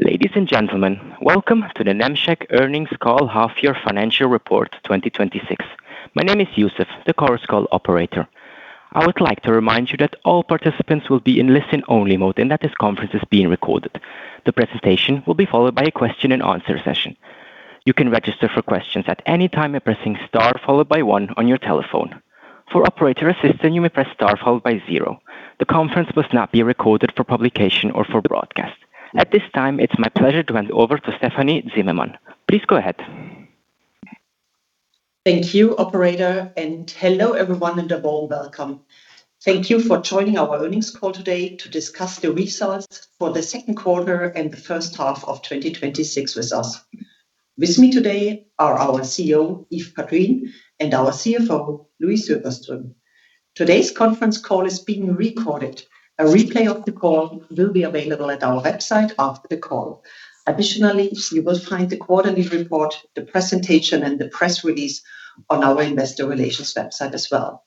Ladies and gentlemen, welcome to the Nemetschek earnings call half year financial report 2026. My name is Yusuf, the Chorus Call operator. I would like to remind you that all participants will be in listen-only mode and that this conference is being recorded. The presentation will be followed by a question-and-answer session. You can register for questions at any time by pressing star followed by one on your telephone. For operator assistance, you may press star followed by zero. The conference must not be recorded for publication or for broadcast. At this time, it is my pleasure to hand over to Stefanie Zimmermann. Please go ahead. Thank you, operator, hello everyone and a warm welcome. Thank you for joining our earnings call today to discuss the results for the second quarter and the first half of 2026 with us. With me today are our CEO, Yves Padrines, and our CFO, Louise Öfverström. Today's conference call is being recorded. A replay of the call will be available at our website after the call. Additionally, you will find the quarterly report, the presentation, and the press release on our investor relations website as well.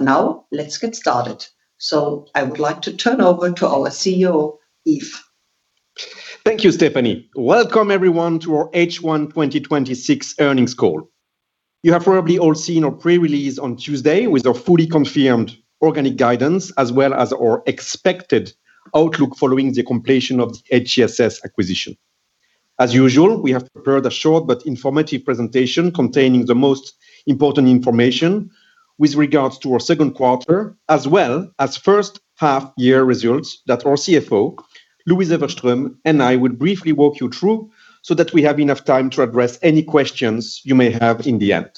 Now, let us get started. I would like to turn over to our CEO, Yves. Thank you, Stefanie. Welcome everyone to our H1 2026 earnings call. You have probably all seen our pre-release on Tuesday with our fully confirmed organic guidance as well as our expected outlook following the completion of the HCSS acquisition. As usual, we have prepared a short but informative presentation containing the most important information with regards to our second quarter, as well as first half-year results that our CFO, Louise Öfverström, and I will briefly walk you through so that we have enough time to address any questions you may have in the end.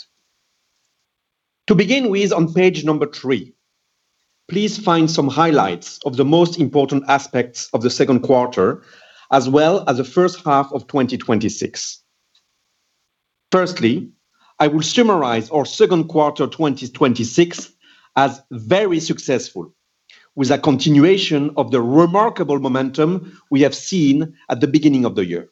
To begin with, on page number three, please find some highlights of the most important aspects of the second quarter as well as the first half of 2026. Firstly, I will summarize our second quarter 2026 as very successful, with a continuation of the remarkable momentum we have seen at the beginning of the year.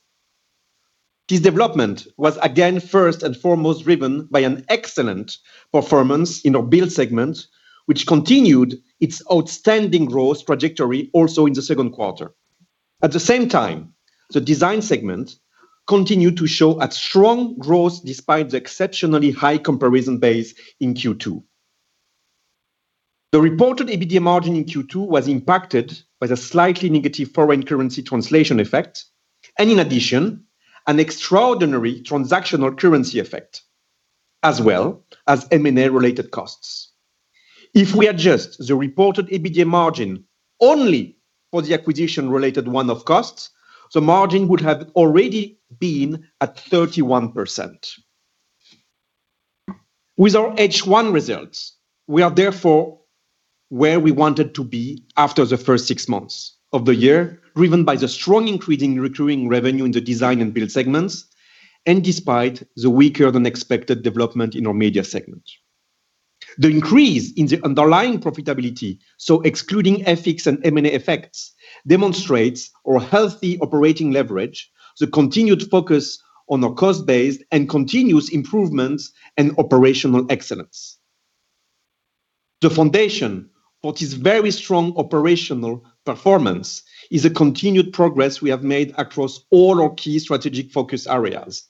This development was again first and foremost driven by an excellent performance in our build segment, which continued its outstanding growth trajectory also in the second quarter. At the same time, the design segment continued to show a strong growth despite the exceptionally high comparison base in Q2. The reported EBITDA margin in Q2 was impacted by the slightly negative foreign currency translation effect and in addition, an extraordinary transactional currency effect, as well as M&A related costs. If we adjust the reported EBITDA margin only for the acquisition related one-off costs, the margin would have already been at 31%. With our H1 results, we are therefore where we wanted to be after the first six months of the year, driven by the strong increasing recurring revenue in the design and build segments, and despite the weaker than expected development in our media segment. The increase in the underlying profitability, so excluding FX and M&A effects, demonstrates our healthy operating leverage, the continued focus on our cost base, and continuous improvements in operational excellence. The foundation for this very strong operational performance is a continued progress we have made across all our key strategic focus areas.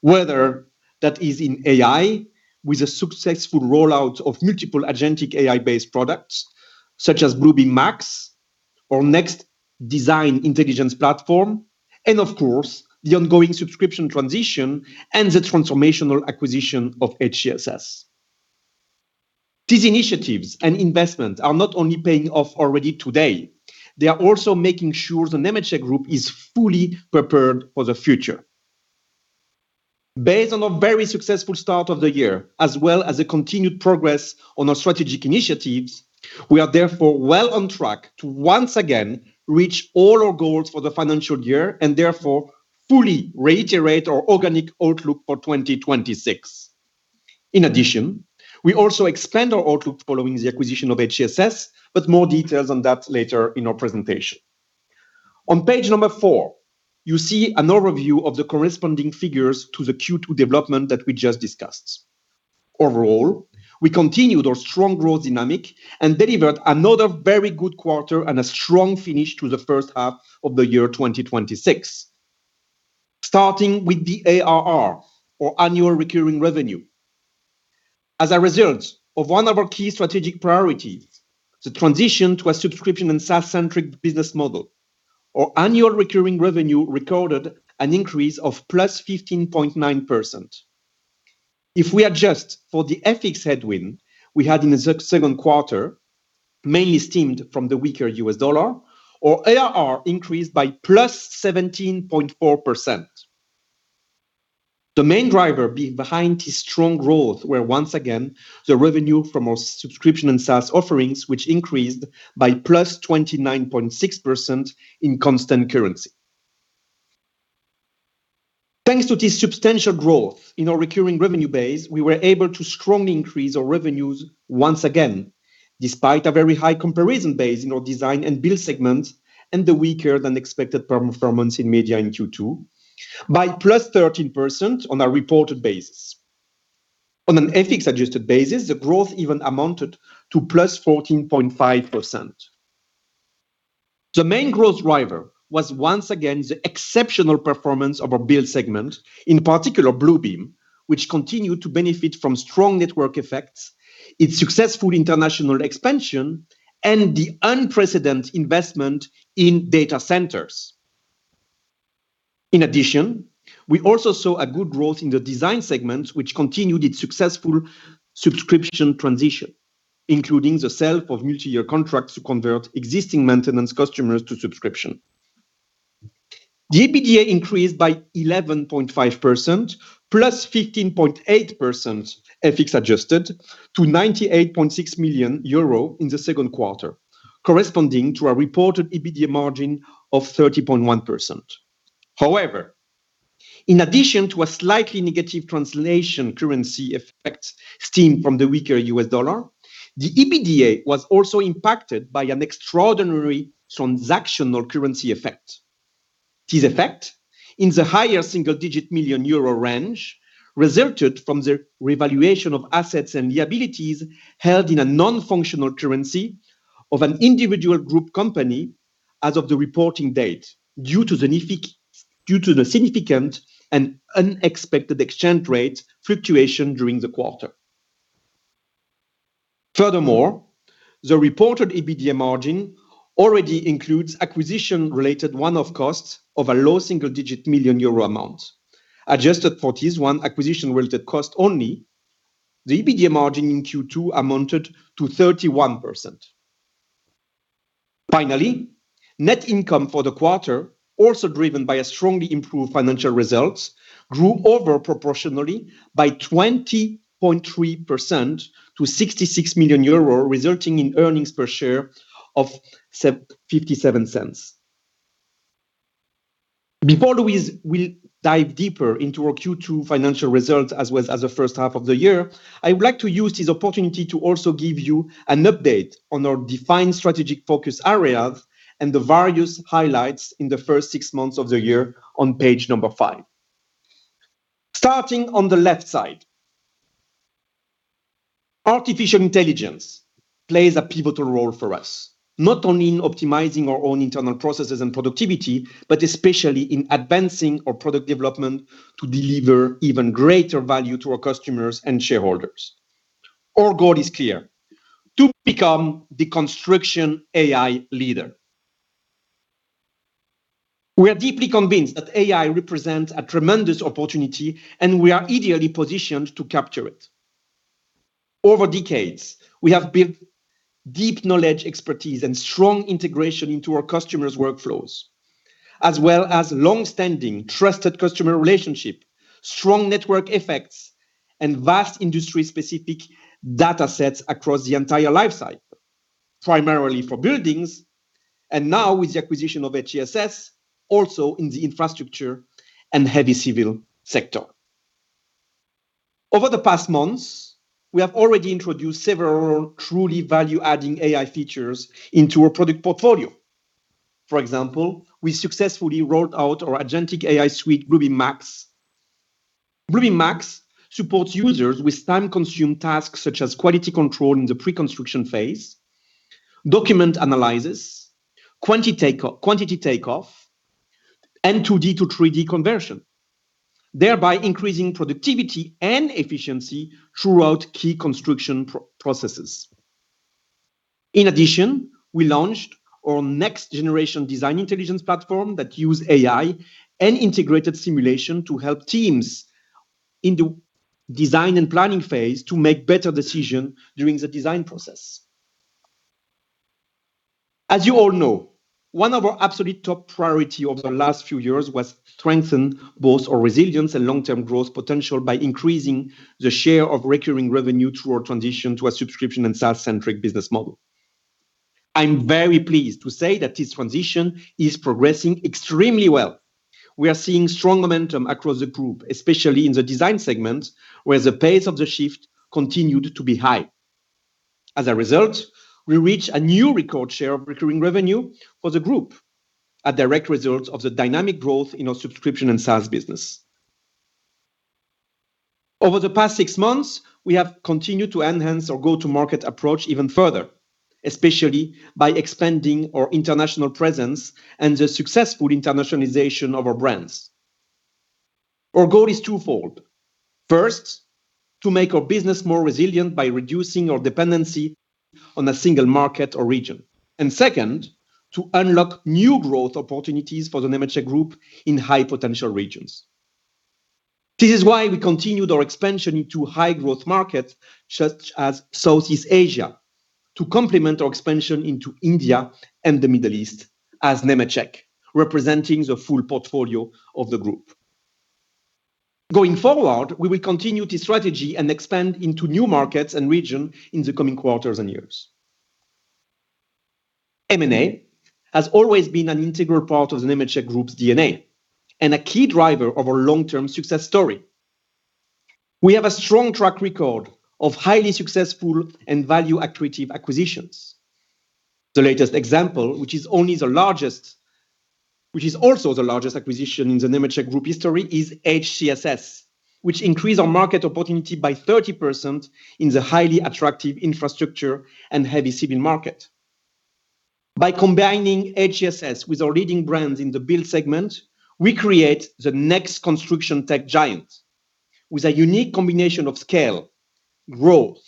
Whether that is in AI, with the successful rollout of multiple agentic AI-based products such as Bluebeam Max, our next design intelligence platform, and of course, the ongoing subscription transition and the transformational acquisition of HCSS. These initiatives and investments are not only paying off already today, they are also making sure the Nemetschek Group is fully prepared for the future. Based on a very successful start of the year, as well as a continued progress on our strategic initiatives, we are therefore well on track to once again reach all our goals for the financial year and therefore fully reiterate our organic outlook for 2026. In addition, we also expand our outlook following the acquisition of HCSS, but more details on that later in our presentation. On page four, you see an overview of the corresponding figures to the Q2 development that we just discussed. Overall, we continued our strong growth dynamic and delivered another very good quarter and a strong finish to the first half of the year 2026. Starting with the ARR, or annual recurring revenue. As a result of one of our key strategic priorities, the transition to a subscription and SaaS-centric business model, our annual recurring revenue recorded an increase of +15.9%. If we adjust for the FX headwind we had in the second quarter, mainly stemmed from the weaker U.S. dollar, our ARR increased by +17.4%. The main driver behind this strong growth were once again the revenue from our subscription and SaaS offerings, which increased by +29.6% in constant currency. Thanks to this substantial growth in our recurring revenue base, we were able to strongly increase our revenues once again, despite a very high comparison base in our design and build segment and the weaker than expected performance in media in Q2, by +13% on a reported basis. On an FX-adjusted basis, the growth even amounted to +14.5%. The main growth driver was once again the exceptional performance of our build segment, in particular Bluebeam, which continued to benefit from strong network effects, its successful international expansion, and the unprecedented investment in data centers. In addition, we also saw a good growth in the design segment, which continued its successful subscription transition, including the sale of multi-year contracts to convert existing maintenance customers to subscription. The EBITDA increased by 11.5%, +15.8% FX-adjusted, to 98.6 million euro in the second quarter, corresponding to a reported EBITDA margin of 30.1%. However, in addition to a slightly negative translation currency effect stemming from the weaker U.S. dollar, the EBITDA was also impacted by an extraordinary transactional currency effect. This effect, in the higher single-digit million euro range, resulted from the revaluation of assets and liabilities held in a non-functional currency of an individual group company as of the reporting date due to the significant and unexpected exchange rate fluctuation during the quarter. Furthermore, the reported EBITDA margin already includes acquisition-related one-off costs of a low single-digit million euro amount. Adjusted for this one acquisition-related cost only, the EBITDA margin in Q2 amounted to 31%. Finally, net income for the quarter, also driven by a strongly improved financial result, grew over proportionally by 20.3% to 66 million euro, resulting in earnings per share of 0.57. Before we dive deeper into our Q2 financial results, as well as the first half of the year, I would like to use this opportunity to also give you an update on our defined strategic focus areas and the various highlights in the first six months of the year on page number five. Starting on the left side. Artificial intelligence plays a pivotal role for us, not only in optimizing our own internal processes and productivity, but especially in advancing our product development to deliver even greater value to our customers and shareholders. Our goal is clear: to become the construction AI leader. We are deeply convinced that AI represents a tremendous opportunity, and we are ideally positioned to capture it. Over decades, we have built deep knowledge, expertise, and strong integration into our customers' workflows, as well as longstanding trusted customer relationships, strong network effects, and vast industry-specific data sets across the entire life cycle, primarily for buildings, and now with the acquisition of HCSS, also in the infrastructure and heavy civil sector. Over the past months, we have already introduced several truly value-adding AI features into our product portfolio. For example, we successfully rolled out our agentic AI suite, Bluebeam Max. Bluebeam Max supports users with time-consuming tasks such as quality control in the pre-construction phase, document analysis, quantity takeoff, and 2D to 3D conversion, thereby increasing productivity and efficiency throughout key construction processes. In addition, we launched our next-generation design intelligence platform that uses AI and integrated simulation to help teams in the design and planning phase to make better decisions during the design process. As you all know, one of our absolute top priorities over the last few years was to strengthen both our resilience and long-term growth potential by increasing the share of recurring revenue through our transition to a subscription and SaaS-centric business model. I'm very pleased to say that this transition is progressing extremely well. We are seeing strong momentum across the group, especially in the design segment, where the pace of the shift continued to be high. As a result, we reached a new record share of recurring revenue for the group, a direct result of the dynamic growth in our subscription and SaaS business. Over the past six months, we have continued to enhance our go-to-market approach even further, especially by expanding our international presence and the successful internationalization of our brands. Our goal is twofold. First, to make our business more resilient by reducing our dependency on a single market or region. Second, to unlock new growth opportunities for the Nemetschek Group in high-potential regions. This is why we continued our expansion into high-growth markets such as Southeast Asia to complement our expansion into India and the Middle East as Nemetschek, representing the full portfolio of the group. Going forward, we will continue this strategy and expand into new markets and regions in the coming quarters and years. M&A has always been an integral part of the Nemetschek Group's DNA and a key driver of our long-term success story. We have a strong track record of highly successful and value-accretive acquisitions. The latest example, which is also the largest acquisition in the Nemetschek Group history, is HCSS, which increased our market opportunity by 30% in the highly attractive infrastructure and heavy civil market. By combining HCSS with our leading brands in the build segment, we create the next construction tech giant with a unique combination of scale, growth,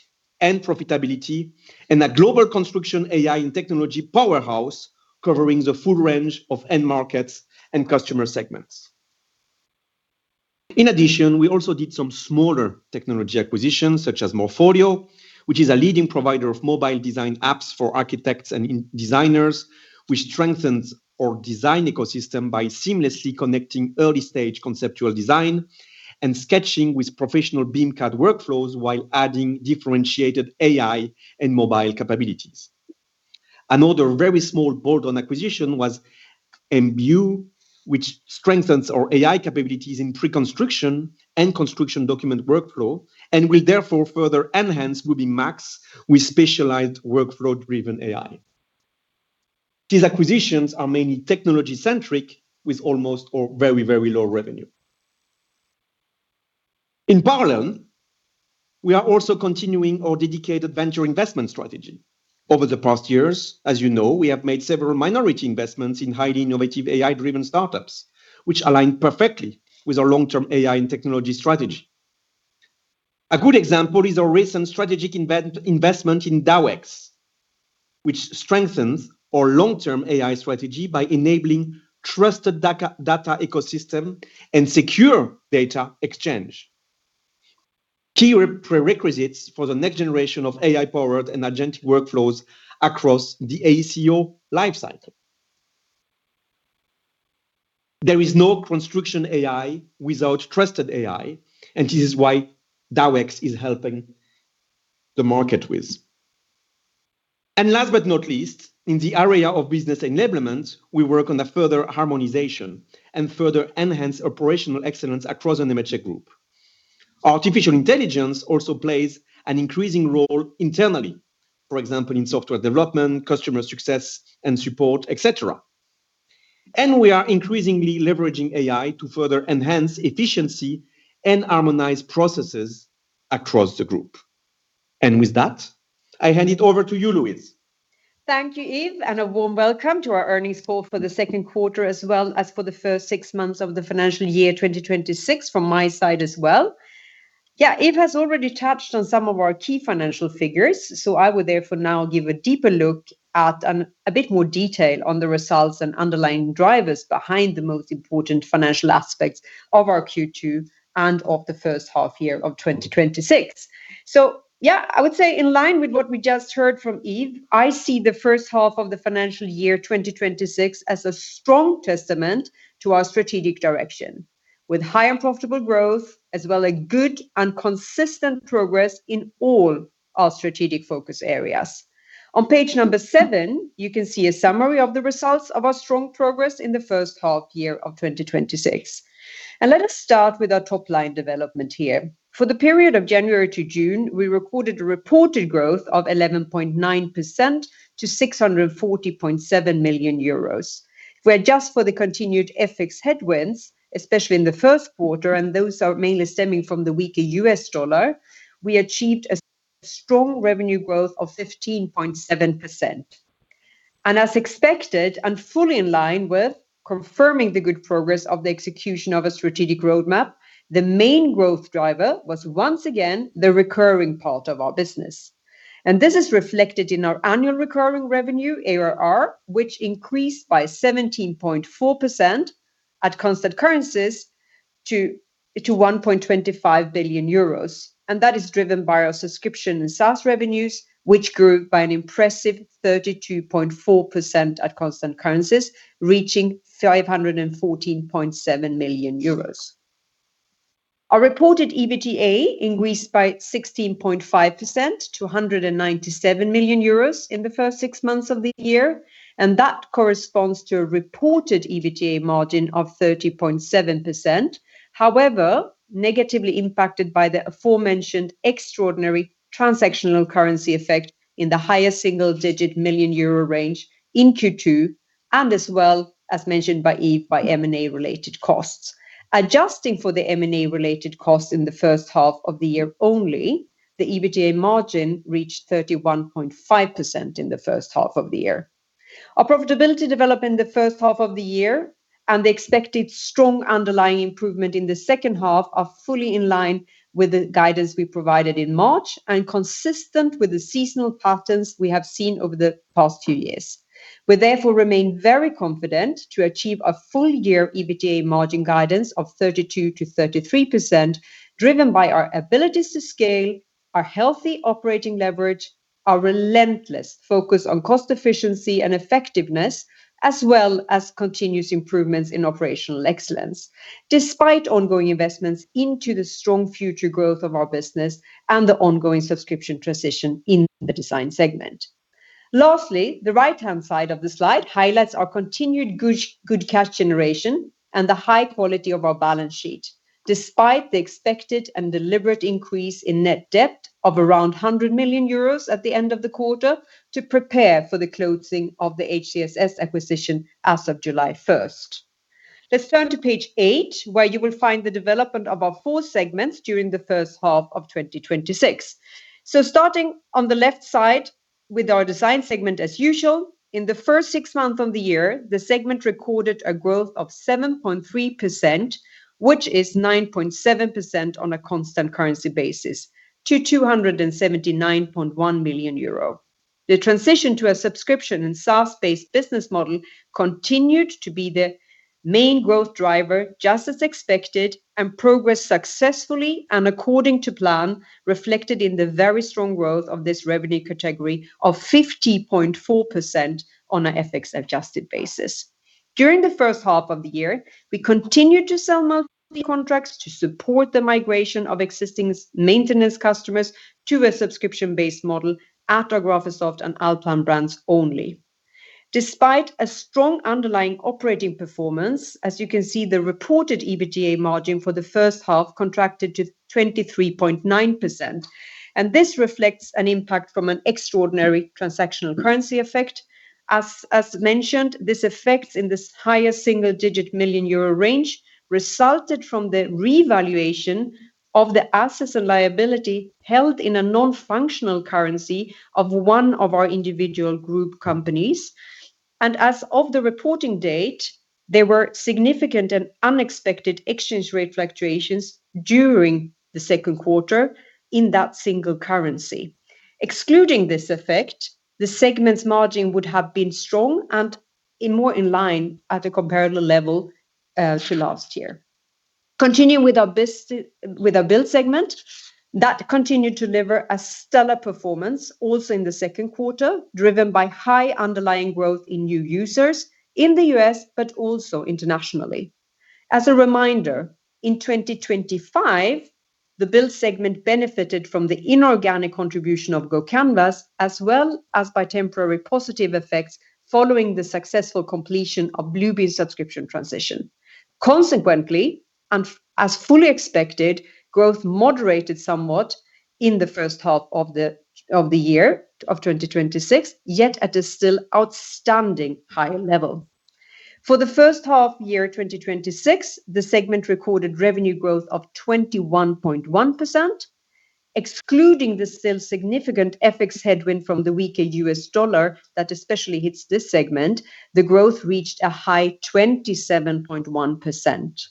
and profitability, and a global construction AI and technology powerhouse covering the full range of end markets and customer segments. In addition, we also did some smaller technology acquisitions, such as Morpholio, which is a leading provider of mobile design apps for architects and designers, which strengthens our design ecosystem by seamlessly connecting early-stage conceptual design and sketching with professional BIM/CAD workflows while adding differentiated AI and mobile capabilities. Another very small bolt-on acquisition was mbue, which strengthens our AI capabilities in pre-construction and construction document workflow and will therefore further enhance Bluebeam Max with specialized workflow-driven AI. These acquisitions are mainly technology-centric with almost or very low revenue. In parallel, we are also continuing our dedicated venture investment strategy. Over the past years, as you know, we have made several minority investments in highly innovative AI-driven startups, which align perfectly with our long-term AI and technology strategy. A good example is our recent strategic investment in Dawex, which strengthens our long-term AI strategy by enabling trusted data ecosystem and secure data exchange, key prerequisites for the next generation of AI-powered and agentic workflows across the AEC/O lifecycle. There is no construction AI without trusted AI, and this is what Dawex is helping the market with. Last but not least, in the area of business enablement, we work on the further harmonization and further enhance operational excellence across the Nemetschek Group. Artificial intelligence also plays an increasing role internally, for example, in software development, customer success and support, et cetera. We are increasingly leveraging AI to further enhance efficiency and harmonize processes across the group. With that, I hand it over to you, Louise. Thank you, Yves, and a warm welcome to our earnings call for the second quarter, as well as for the first six months of the financial year 2026 from my side as well. Yves has already touched on some of our key financial figures, I will therefore now give a deeper look at and a bit more detail on the results and underlying drivers behind the most important financial aspects of our Q2 and of the first half year of 2026. I would say in line with what we just heard from Yves, I see the first half of the financial year 2026 as a strong testament to our strategic direction, with high and profitable growth as well a good and consistent progress in all our strategic focus areas. On page seven, you can see a summary of the results of our strong progress in the first half year of 2026. Let us start with our top-line development here. For the period of January to June, we recorded a reported growth of 11.9% to 640.7 million euros, where just for the continued FX headwinds, especially in the first quarter, and those are mainly stemming from the weaker U.S. dollar, we achieved a strong revenue growth of 15.7%. As expected and fully in line with confirming the good progress of the execution of a strategic roadmap, the main growth driver was once again the recurring part of our business. This is reflected in our annual recurring revenue, ARR, which increased by 17.4% at constant currencies to 1.25 billion euros. That is driven by our subscription and SaaS revenues, which grew by an impressive 32.4% at constant currencies, reaching 514.7 million euros. Our reported EBITDA increased by 16.5% to 197 million euros in the first six months of the year, That corresponds to a reported EBITDA margin of 30.7%. However, negatively impacted by the aforementioned extraordinary transactional currency effect in the highest single-digit million euro range in Q2, and as well as mentioned by Yves, by M&A related costs. Adjusting for the M&A related costs in the first half of the year only, the EBITDA margin reached 31.5% in the first half of the year. Our profitability development in the first half of the year and the expected strong underlying improvement in the second half are fully in line with the guidance we provided in March and consistent with the seasonal patterns we have seen over the past few years. We therefore remain very confident to achieve a full-year EBITDA margin guidance of 32%-33%, driven by our abilities to scale, our healthy operating leverage, our relentless focus on cost efficiency and effectiveness, as well as continuous improvements in operational excellence, despite ongoing investments into the strong future growth of our business and the ongoing subscription transition in the design segment. Lastly, the right-hand side of the slide highlights our continued good cash generation and the high quality of our balance sheet, despite the expected and deliberate increase in net debt of around 100 million euros at the end of the quarter to prepare for the closing of the HCSS acquisition as of July 1st. Let's turn to page eight, where you will find the development of our four segments during the first half of 2026. Starting on the left side with our design segment, as usual, in the first six months of the year, the segment recorded a growth of 7.3%, which is 9.7% on a constant currency basis to 279.1 million euro. The transition to a subscription and SaaS-based business model continued to be the main growth driver, just as expected, and progressed successfully and according to plan, reflected in the very strong growth of this revenue category of 50.4% on an FX adjusted basis. During the first half of the year, we continued to sell monthly contracts to support the migration of existing maintenance customers to a subscription-based model at our Graphisoft and ALLPLAN brands only. Despite a strong underlying operating performance, as you can see, the reported EBITDA margin for the first half contracted to 23.9%, and this reflects an impact from an extraordinary transactional currency effect. As mentioned, this effect in this highest single-digit million euro range resulted from the revaluation of the assets and liability held in a non-functional currency of one of our individual group companies. As of the reporting date, there were significant and unexpected exchange rate fluctuations during the second quarter in that single currency. Excluding this effect, the segment's margin would have been strong and more in line at a comparable level to last year. Continuing with our build segment. That continued to deliver a stellar performance also in the second quarter, driven by high underlying growth in new users in the U.S., but also internationally. As a reminder, in 2025, the build segment benefited from the inorganic contribution of GoCanvas, as well as by temporary positive effects following the successful completion of Bluebeam's subscription transition. Consequently, as fully expected, growth moderated somewhat in the first half of the year of 2026, yet at a still outstanding high level. For the first half year, 2026, the segment recorded revenue growth of 21.1%. Excluding the still significant FX headwind from the weaker U.S. dollar that especially hits this segment, the growth reached a high 27.1%.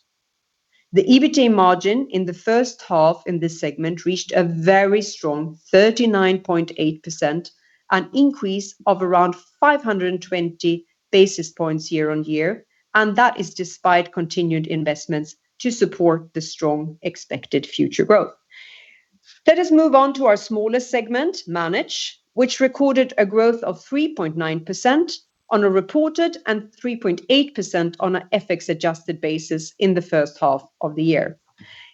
The EBITDA margin in the first half in this segment reached a very strong 39.8%, an increase of around 520 basis points year-on-year, and that is despite continued investments to support the strong expected future growth. Let us move on to our smallest segment, Manage, which recorded a growth of 3.9% on a reported, and 3.8% on an FX adjusted basis in the first half of the year.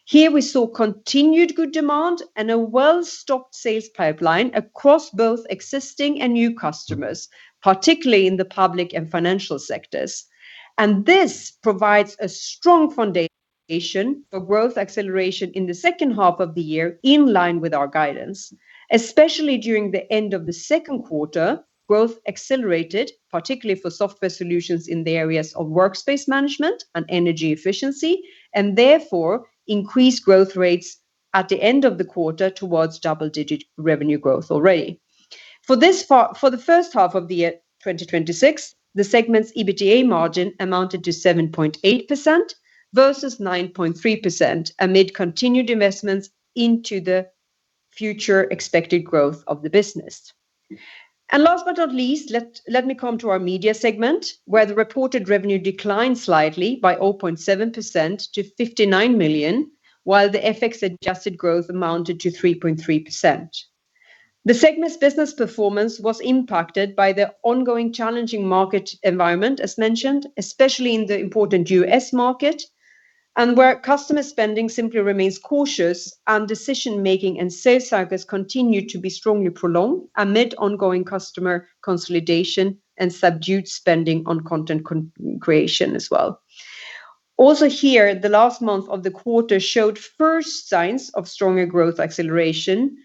Here, we saw continued good demand and a well-stocked sales pipeline across both existing and new customers, particularly in the public and financial sectors. This provides a strong foundation for growth acceleration in the second half of the year in line with our guidance. Especially during the end of the second quarter, growth accelerated, particularly for software solutions in the areas of workspace management and energy efficiency, and therefore increased growth rates at the end of the quarter towards double-digit revenue growth already. For the first half of the year, 2026, the segment's EBITDA margin amounted to 7.8% versus 9.3% amid continued investments into the future expected growth of the business. Last but not least, let me come to our media segment, where the reported revenue declined slightly by 0.7% to 59 million, while the FX adjusted growth amounted to 3.3%. The segment's business performance was impacted by the ongoing challenging market environment, as mentioned, especially in the important U.S. market, and where customer spending simply remains cautious and decision-making and sales cycles continue to be strongly prolonged amid ongoing customer consolidation and subdued spending on content creation as well. Here, the last month of the quarter showed first signs of stronger growth acceleration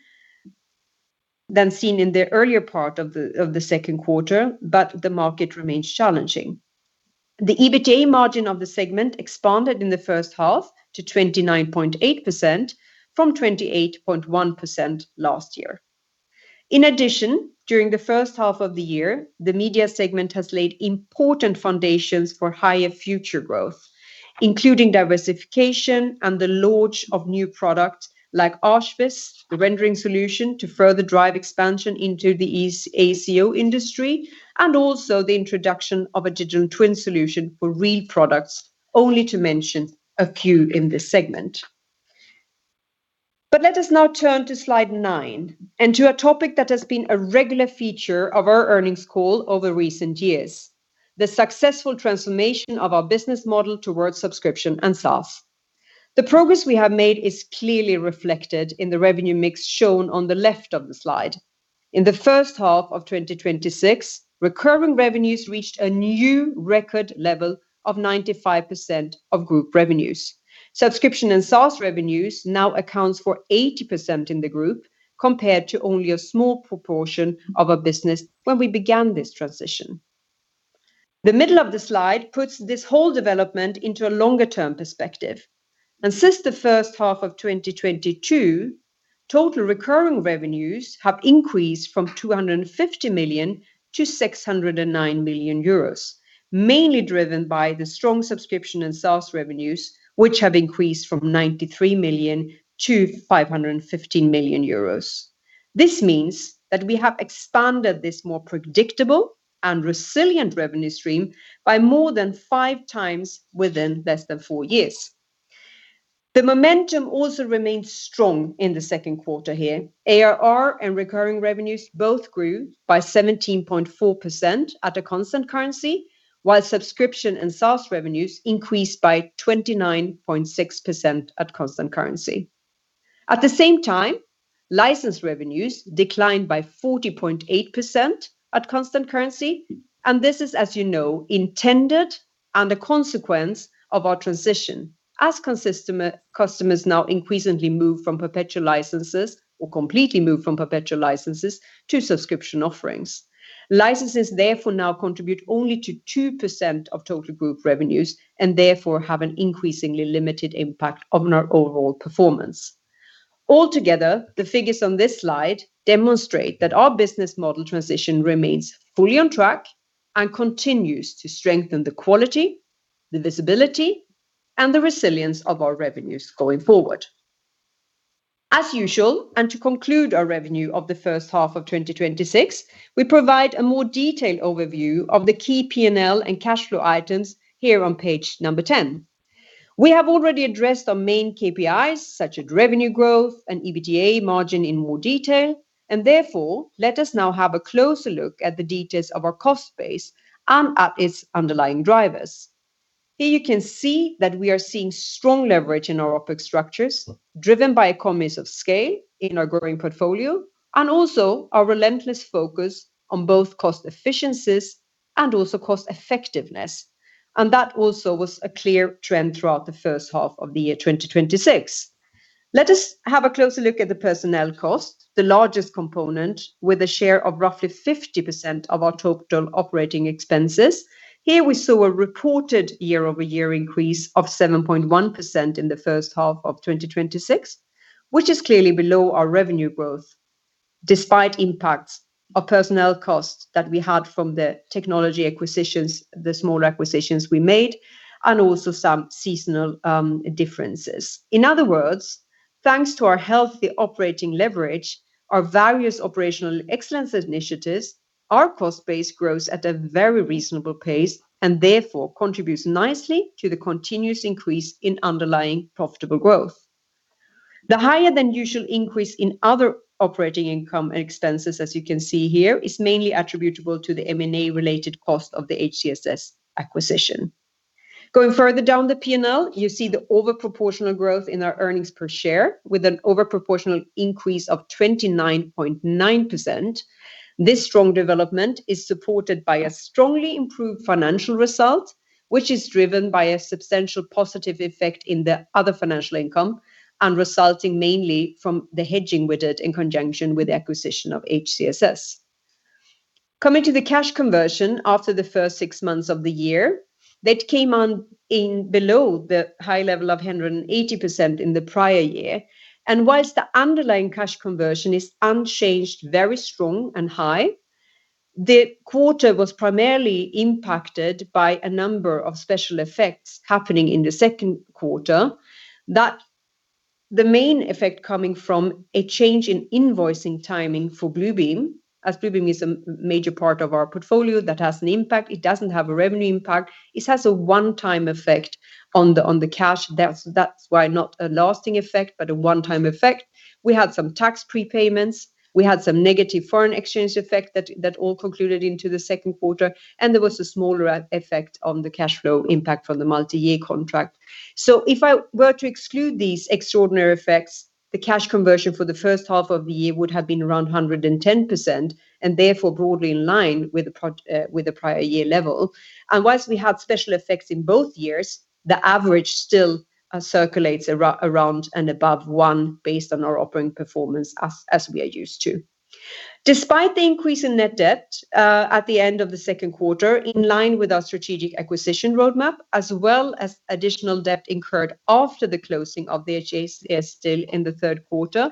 than seen in the earlier part of the second quarter, but the market remains challenging. The EBITDA margin of the segment expanded in the first half to 29.8% from 28.1% last year. In addition, during the first half of the year, the media segment has laid important foundations for higher future growth, including diversification and the launch of new products like Archviz, the rendering solution, to further drive expansion into the AEC/O industry, and also the introduction of a digital twin solution for real products, only to mention a few in this segment. Let us now turn to slide nine, and to a topic that has been a regular feature of our earnings call over recent years, the successful transformation of our business model towards subscription and SaaS. The progress we have made is clearly reflected in the revenue mix shown on the left of the slide. In the first half of 2026, recurring revenues reached a new record level of 95% of group revenues. Subscription and SaaS revenues now accounts for 80% in the group, compared to only a small proportion of our business when we began this transition. The middle of the slide puts this whole development into a longer-term perspective. Since the first half of 2022, total recurring revenues have increased from 250 million-609 million euros, mainly driven by the strong subscription and SaaS revenues, which have increased from 93 million-515 million euros. This means that we have expanded this more predictable and resilient revenue stream by more than five times within less than four years. The momentum also remains strong in the second quarter here. ARR and recurring revenues both grew by 17.4% at a constant currency, while subscription and SaaS revenues increased by 29.6% at constant currency. At the same time, license revenues declined by 40.8% at constant currency, this is, as you know, intended and a consequence of our transition. As customers now increasingly move from perpetual licenses or completely move from perpetual licenses to subscription offerings. Licenses therefore now contribute only to 2% of total group revenues and therefore have an increasingly limited impact on our overall performance. Altogether, the figures on this slide demonstrate that our business model transition remains fully on track and continues to strengthen the quality, the visibility, and the resilience of our revenues going forward. As usual, to conclude our revenue of the first half of 2026, we provide a more detailed overview of the key P&L and cash flow items here on page 10. We have already addressed our main KPIs, such as revenue growth and EBITDA margin in more detail, therefore, let us now have a closer look at the details of our cost base and at its underlying drivers. Here you can see that we are seeing strong leverage in our OpEx structures driven by economies of scale in our growing portfolio and also our relentless focus on both cost efficiencies and also cost effectiveness. That also was a clear trend throughout the first half of the year 2026. Let us have a closer look at the personnel cost, the largest component with a share of roughly 50% of our total operating expenses. Here we saw a reported year-over-year increase of 7.1% in the first half of 2026, which is clearly below our revenue growth, despite impacts of personnel costs that we had from the technology acquisitions, the small acquisitions we made, and also some seasonal differences. In other words, thanks to our healthy operating leverage, our various operational excellence initiatives, our cost base grows at a very reasonable pace and therefore contributes nicely to the continuous increase in underlying profitable growth. The higher than usual increase in other operating income expenses, as you can see here, is mainly attributable to the M&A related cost of the HCSS acquisition. Going further down the P&L, you see the overproportional growth in our earnings per share with an overproportional increase of 29.9%. This strong development is supported by a strongly improved financial result, which is driven by a substantial positive effect in the other financial income and resulting mainly from the hedging we did in conjunction with the acquisition of HCSS. Coming to the cash conversion after the first six months of the year, that came on in below the high level of 180% in the prior year. Whilst the underlying cash conversion is unchanged, very strong, and high, the quarter was primarily impacted by a number of special effects happening in the second quarter. The main effect coming from a change in invoicing timing for Bluebeam. As Bluebeam is a major part of our portfolio that has an impact. It doesn't have a revenue impact. It has a one-time effect on the cash. That's why not a lasting effect, but a one-time effect. We had some tax prepayments. We had some negative foreign exchange effect that all concluded into the second quarter, there was a smaller effect on the cash flow impact from the multi-year contract. If I were to exclude these extraordinary effects, the cash conversion for the first half of the year would have been around 110%, and therefore broadly in line with the prior year level. Whilst we had special effects in both years, the average still circulates around and above one based on our operating performance as we are used to. Despite the increase in net debt at the end of the second quarter, in line with our strategic acquisition roadmap, as well as additional debt incurred after the closing of the HCSS deal in the third quarter,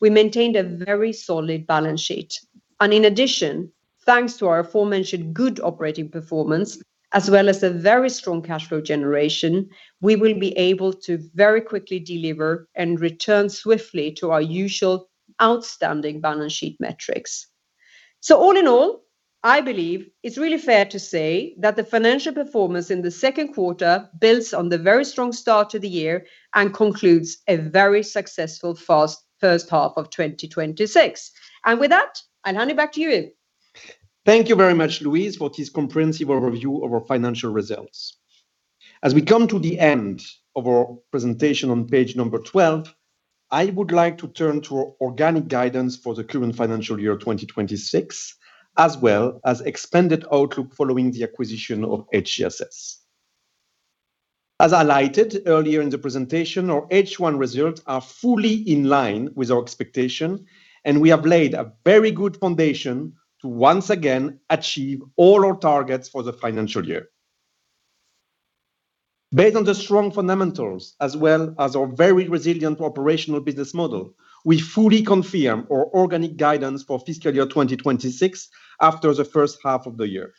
we maintained a very solid balance sheet. In addition, thanks to our aforementioned good operating performance as well as a very strong cash flow generation, we will be able to very quickly deliver and return swiftly to our usual outstanding balance sheet metrics. All in all, I believe it's really fair to say that the financial performance in the second quarter builds on the very strong start to the year and concludes a very successful first half of 2026. With that, I'll hand it back to you, Yves. Thank you very much, Louise, for this comprehensive review of our financial results. As we come to the end of our presentation on page number 12, I would like to turn to organic guidance for the current financial year 2026, as well as expanded outlook following the acquisition of HCSS. As highlighted earlier in the presentation, our H1 results are fully in line with our expectation, and we have laid a very good foundation to once again achieve all our targets for the financial year. Based on the strong fundamentals as well as our very resilient operational business model, we fully confirm our organic guidance for fiscal year 2026 after the first half of the year.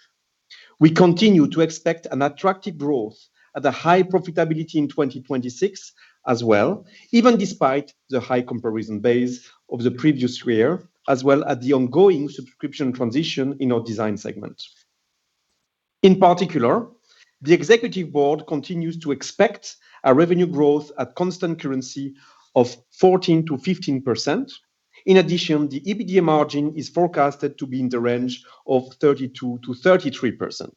We continue to expect an attractive growth at a high profitability in 2026 as well, even despite the high comparison base of the previous year, as well as the ongoing subscription transition in our design segment. In particular, the executive board continues to expect a revenue growth at constant currency of 14%-15%. In addition, the EBITDA margin is forecasted to be in the range of 32%-33%.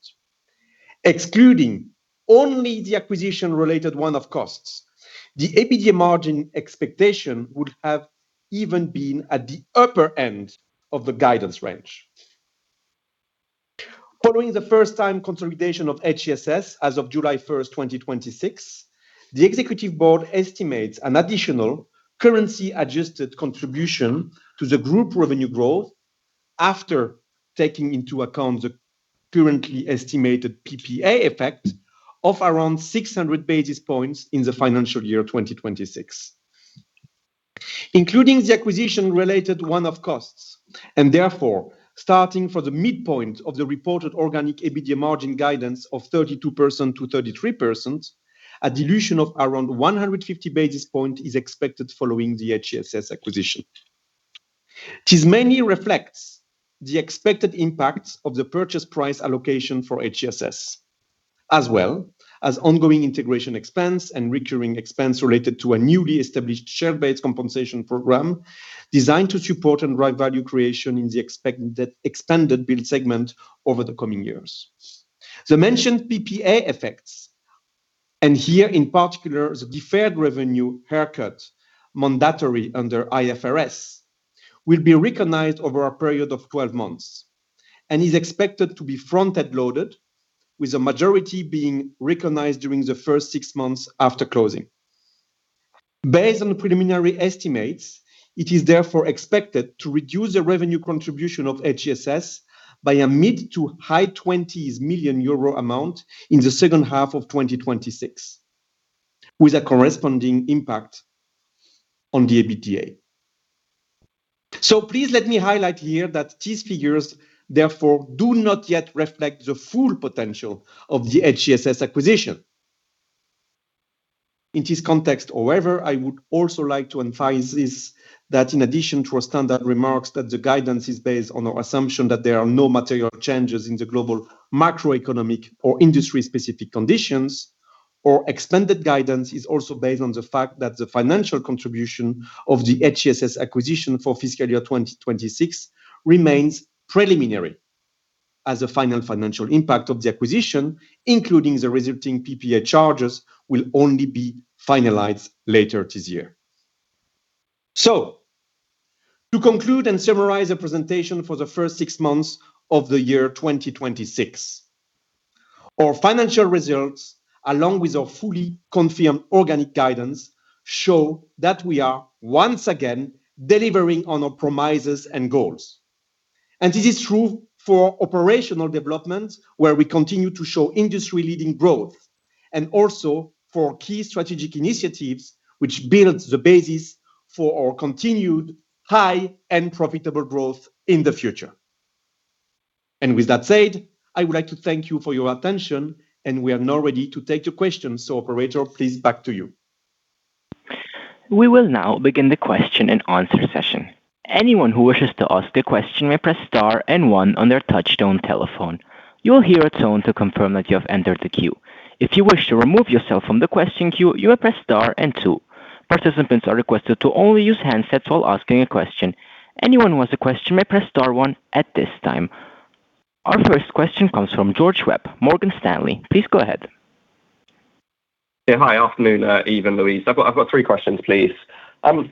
Excluding only the acquisition-related one-off costs, the EBITDA margin expectation would have even been at the upper end of the guidance range. Following the first-time consolidation of HCSS as of July 1st, 2026, the executive board estimates an additional currency-adjusted contribution to the group revenue growth after taking into account the currently estimated PPA effect of around 600 basis points in the financial year 2026. Including the acquisition-related one-off costs, therefore starting from the midpoint of the reported organic EBITDA margin guidance of 32%-33%, a dilution of around 150 basis points is expected following the HCSS acquisition. It mainly reflects the expected impacts of the purchase price allocation for HCSS, as well as ongoing integration expense and recurring expense related to a newly established share-based compensation program designed to support and drive value creation in the expanded build segment over the coming years. The mentioned PPA effects, here in particular, the deferred revenue haircut mandatory under IFRS, will be recognized over a period of 12 months and is expected to be front-end loaded, with the majority being recognized during the first six months after closing. Based on the preliminary estimates, it is therefore expected to reduce the revenue contribution of HCSS by a mid to high 20 million euro amount in the second half of 2026, with a corresponding impact on the EBITDA. Please let me highlight here that these figures, therefore, do not yet reflect the full potential of the HCSS acquisition. In this context, however, I would also like to emphasize that in addition to our standard remarks that the guidance is based on our assumption that there are no material changes in the global macroeconomic or industry-specific conditions, our extended guidance is also based on the fact that the financial contribution of the HCSS acquisition for fiscal year 2026 remains preliminary, as the final financial impact of the acquisition, including the resulting PPA charges, will only be finalized later this year. To conclude and summarize the presentation for the first six months of the year 2026. Our financial results, along with our fully confirmed organic guidance, show that we are once again delivering on our promises and goals. It is true for operational development, where we continue to show industry-leading growth, and also for key strategic initiatives, which builds the basis for our continued high-end profitable growth in the future. With that said, I would like to thank you for your attention, and we are now ready to take the questions. Operator, please back to you. We will now begin the question-and-answer session. Anyone who wishes to ask a question may press star and one on their touch-tone telephone. You will hear a tone to confirm that you have entered the queue. If you wish to remove yourself from the question queue, you may press star and two. Participants are requested to only use handsets while asking a question. Anyone who has a question may press star one at this time. Our first question comes from George Webb, Morgan Stanley. Please go ahead. Yeah. Hi. Afternoon, Yves and Louise. I've got three questions, please.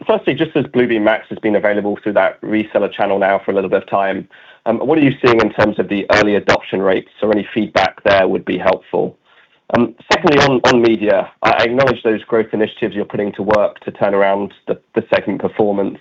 Firstly, just as Bluebeam Max has been available through that reseller channel now for a little bit of time, what are you seeing in terms of the early adoption rates or any feedback there would be helpful. Secondly, on media, I acknowledge those growth initiatives you're putting to work to turn around the segment performance.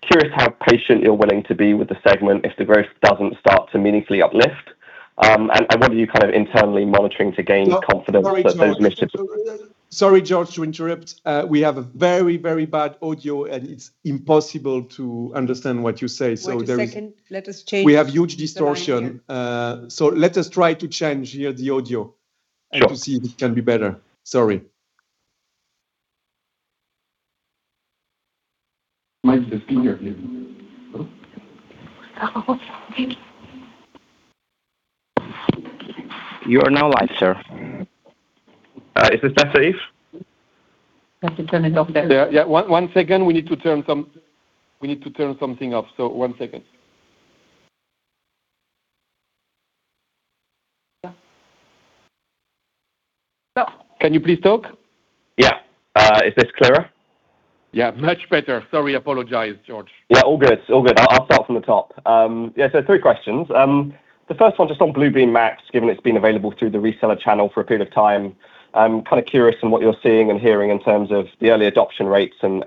Curious how patient you're willing to be with the segment if the growth doesn't start to meaningfully uplift. What are you internally monitoring to gain confidence that those initiatives- Sorry, George, to interrupt. We have a very bad audio, and it's impossible to understand what you say. Wait a second. Let us change the line here. We have huge distortion. Let us try to change here the audio to see if it can be better. Sorry. Might be the speaker. You are now live, sir. Is this better, Yves? Let me turn it off there. Yeah. One second. We need to turn something off. One second. Can you please talk? Yeah. Is this clearer? Yeah, much better. Sorry, apologize, George. All good. I'll start from the top. Three questions. The first one just on Bluebeam Max, given it's been available through the reseller channel for a period of time, I'm kind of curious on what you're seeing and hearing in terms of the early adoption rates and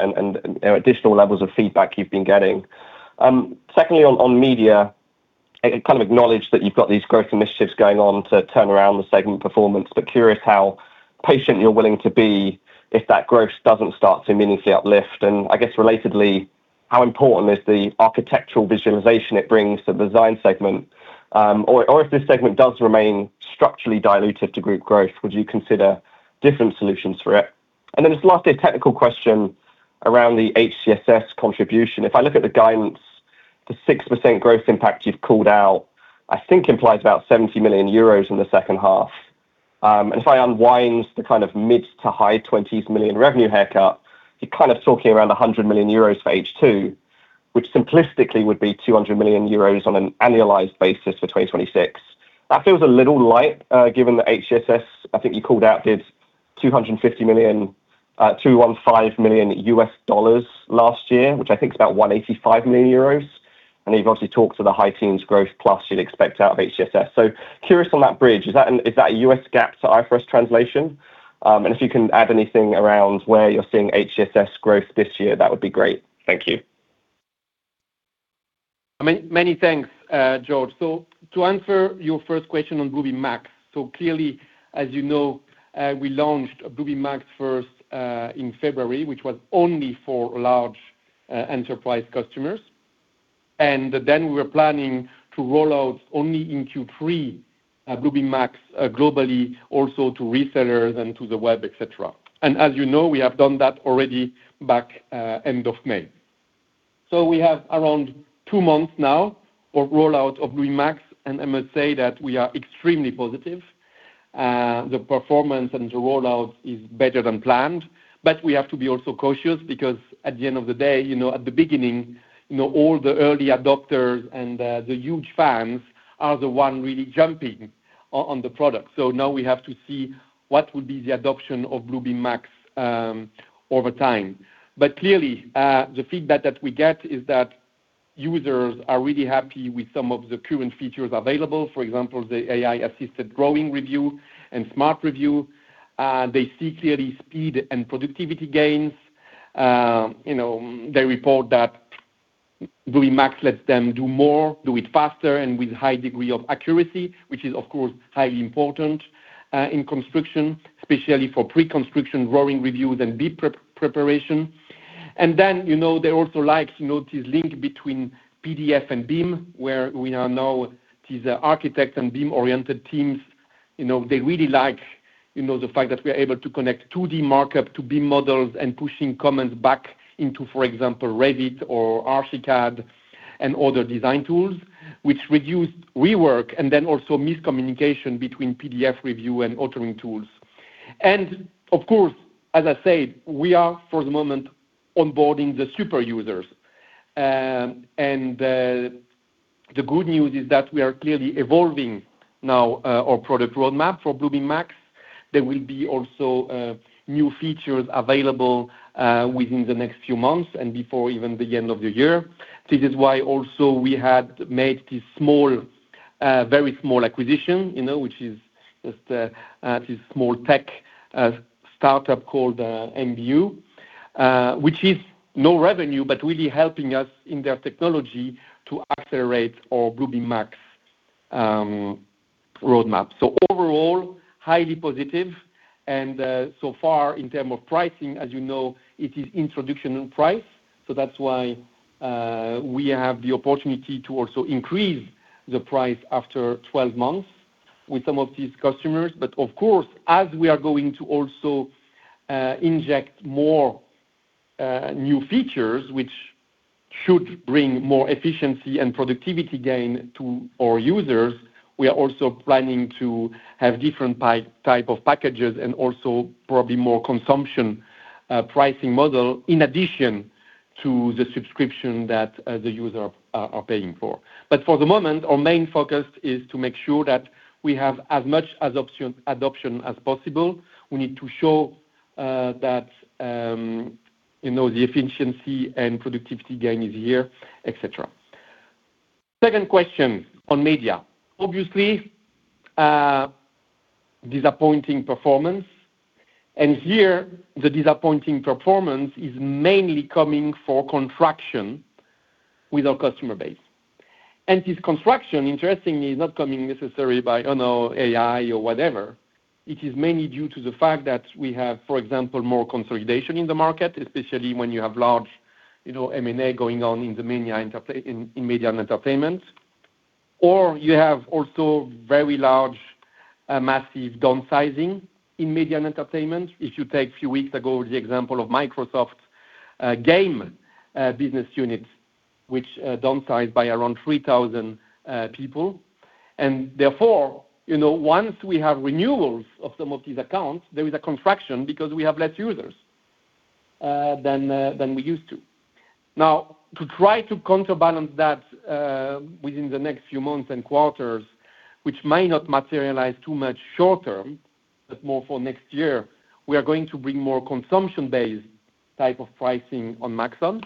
additional levels of feedback you've been getting. Secondly, on media, kind of acknowledge that you've got these growth initiatives going on to turn around the segment performance, but curious how patient you're willing to be if that growth doesn't start to meaningfully uplift. Relatedly, how important is the architectural visualization it brings to the design segment? Or if this segment does remain structurally dilutive to group growth, would you consider different solutions for it? Lastly, a technical question around the HCSS contribution. If I look at the guidance, the 6% growth impact you've called out, I think implies about 70 million euros in the second half. If I unwind the kind of mid to high 20 million revenue haircut, you're kind of talking around 100 million euros for H2, which simplistically would be 200 million euros on an annualized basis for 2026. That feels a little light, given that HCSS, I think you called out, did $250 million, $215 million last year, which I think is about 185 million euros. You've obviously talked to the high teens growth plus you'd expect out of HCSS. Curious on that bridge. Is that a U.S. GAAP to IFRS translation? If you can add anything around where you're seeing HCSS growth this year, that would be great. Thank you. Many thanks, George. To answer your first question on Bluebeam Max, clearly, as you know, we launched Bluebeam Max first in February, which was only for large enterprise customers. Then we were planning to roll out only in Q3 Bluebeam Max globally also to resellers and to the web, et cetera. As you know, we have done that already back end of May. We have around two months now of rollout of Max, and I must say that we are extremely positive. The performance and the rollout is better than planned. We have to be also cautious because at the end of the day, at the beginning, all the early adopters and the huge fans are the ones really jumping on the product. Now we have to see what would be the adoption of Bluebeam Max over time. Clearly, the feedback that we get is that users are really happy with some of the current features available. For example, the AI-assisted drawing review and smart review. They see clearly speed and productivity gains. They report that Bluebeam Max lets them do more, do it faster, and with high degree of accuracy, which is of course, highly important in construction, especially for pre-construction drawing reviews and bid preparation. Then, they also like this link between PDF and BIM, where we are now these architect and BIM-oriented teams. They really like the fact that we are able to connect 2D markup to BIM models and pushing comments back into, for example, Revit or Archicad and other design tools, which reduced rework and also miscommunication between PDF review and authoring tools. Of course, as I said, we are, for the moment, onboarding the super users. The good news is that we are clearly evolving now our product roadmap for Bluebeam Max. There will be also new features available within the next few months and before even the end of the year. This is why also we had made this very small acquisition, which is this small tech startup called mbue. Which is no revenue, but really helping us in their technology to accelerate our Bluebeam Max roadmap. Overall, highly positive. So far in terms of pricing, as you know, it is introduction price. That's why we have the opportunity to also increase the price after 12 months with some of these customers. Of course, as we are going to also inject more new features, which should bring more efficiency and productivity gain to our users, we are also planning to have different type of packages and also probably more consumption pricing model, in addition to the subscription that the user are paying for. For the moment, our main focus is to make sure that we have as much adoption as possible. We need to show that the efficiency and productivity gain is here, et cetera. Second question on media. Obviously, disappointing performance, here the disappointing performance is mainly coming for contraction with our customer base. This contraction, interestingly, is not coming necessarily by AI or whatever. It is mainly due to the fact that we have, for example, more consolidation in the market, especially when you have large M&A going on in media and entertainment. Or you have also very large, massive downsizing in media and entertainment. If you take a few weeks ago, the example of Microsoft's game business unit, which downsized by around 3,000 people. Therefore, once we have renewals of some of these accounts, there is a contraction because we have less users than we used to. Now, to try to counterbalance that within the next few months and quarters, which may not materialize too much short term, but more for next year, we are going to bring more consumption-based type of pricing on Maxon.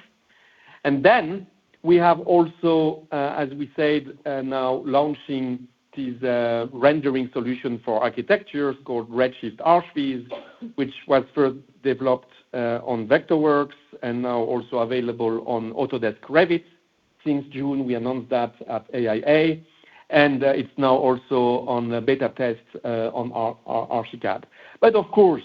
Then we have also, as we said, now launching this rendering solution for architecture called Redshift Archviz, which was first developed on Vectorworks and now also available on Autodesk Revit since June. We announced that at AIA, and it's now also on the beta test on Archicad. Of course,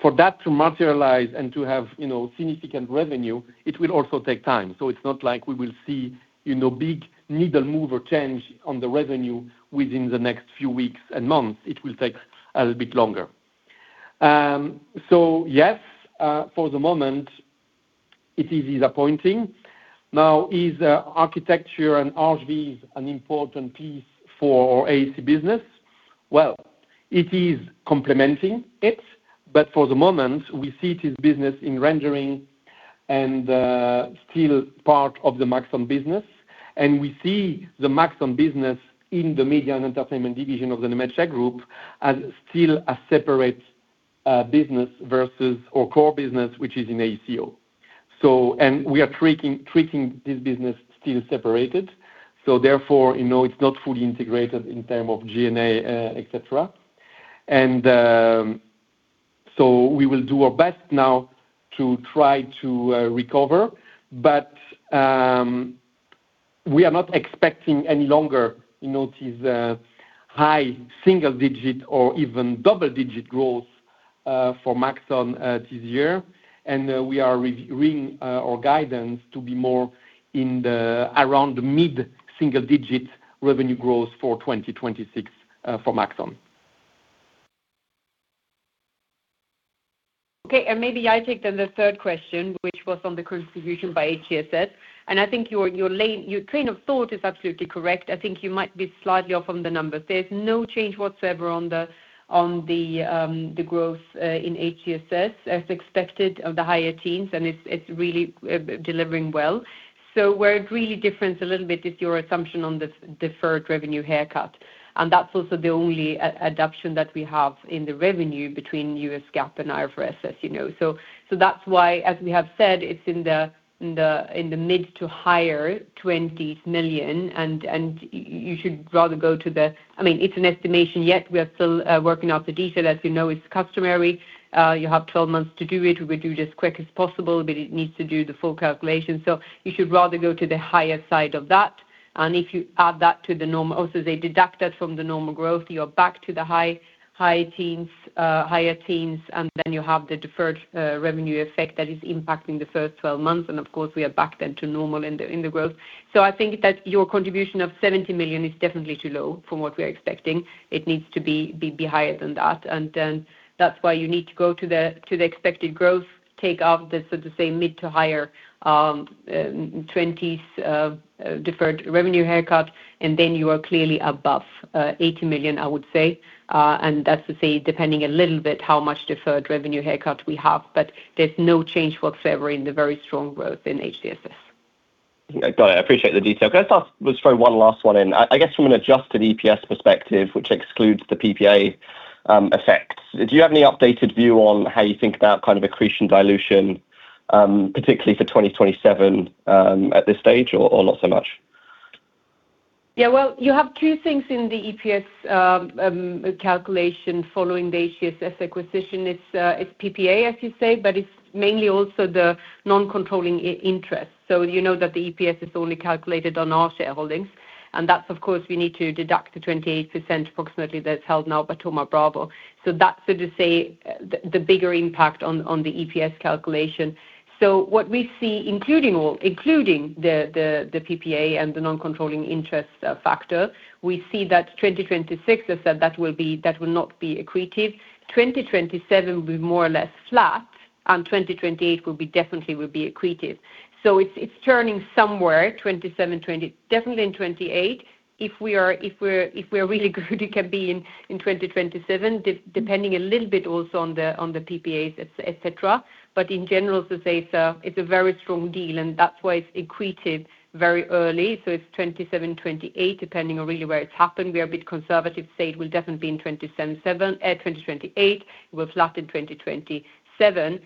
for that to materialize and to have significant revenue, it will also take time. It's not like we will see big needle move or change on the revenue within the next few weeks and months. It will take a little bit longer. Yes, for the moment it is disappointing. Now, is architecture and Archviz an important piece for AEC business? Well, it is complementing it, but for the moment, we see it as business in rendering and still part of the Maxon business. We see the Maxon business in the media and entertainment division of the Nemetschek Group as still a separate business versus our core business, which is in AEC/O. We are treating this business still separated, so therefore, it's not fully integrated in term of G&A, et cetera. We will do our best now to try to recover, but we are not expecting any longer this high single-digit or even double-digit growth for Maxon this year. We are reviewing our guidance to be more around the mid-single-digit revenue growth for 2026 for Maxon. Okay, maybe I take the third question, which was on the contribution by HCSS. I think your train of thought is absolutely correct. I think you might be slightly off on the numbers. There's no change whatsoever on the growth in HCSS as expected of the higher teens, and it's really delivering well. Where it really differs a little bit is your assumption on the deferred revenue haircut. That's also the only adaption that we have in the revenue between U.S. GAAP and IFRS. That's why, as we have said, it's in the mid to higher 20 million and you should rather go to the. It's an estimation, yet we are still working out the detail. As you know, it's customary. You have 12 months to do it. We do it as quick as possible, but it needs to do the full calculation. You should rather go to the higher side of that. If you add that to the normal. Also, they deducted from the normal growth. Then you have the deferred revenue effect that is impacting the first 12 months, and of course, we are back then to normal in the growth. I think that your contribution of 70 million is definitely too low from what we're expecting. It needs to be higher than that. Then that's why you need to go to the expected growth, take out the mid to higher 20 million deferred revenue haircut, and then you are clearly above 80 million, I would say. That's to say, depending a little bit how much deferred revenue haircut we have. There's no change whatsoever in the very strong growth in HCSS. Got it. I appreciate the detail. Can I throw one last one in. I guess from an adjusted EPS perspective, which excludes the PPA effects, do you have any updated view on how you think about kind of accretion dilution, particularly for 2027 at this stage, or not so much? Well, you have two things in the EPS calculation following the HCSS acquisition. It's PPA, as you say, but it's mainly also the non-controlling interest. You know that the EPS is only calculated on our shareholdings, and that's, of course, we need to deduct the 28% approximately that's held now by Thoma Bravo. That's fair to say, the bigger impact on the EPS calculation. What we see, including the PPA and the non-controlling interest factor, we see that 2026, as said, that will not be accretive. 2027 will be more or less flat, and 2028 definitely will be accretive. It's turning somewhere, definitely in 2028. If we're really good, it can be in 2027, depending a little bit also on the PPAs, et cetera. In general, so to say, it's a very strong deal and that's why it's accretive very early. It's 2027, 2028, depending on really where it's happened. We are a bit conservative, say it will definitely be in 2028. It will slot in 2027. If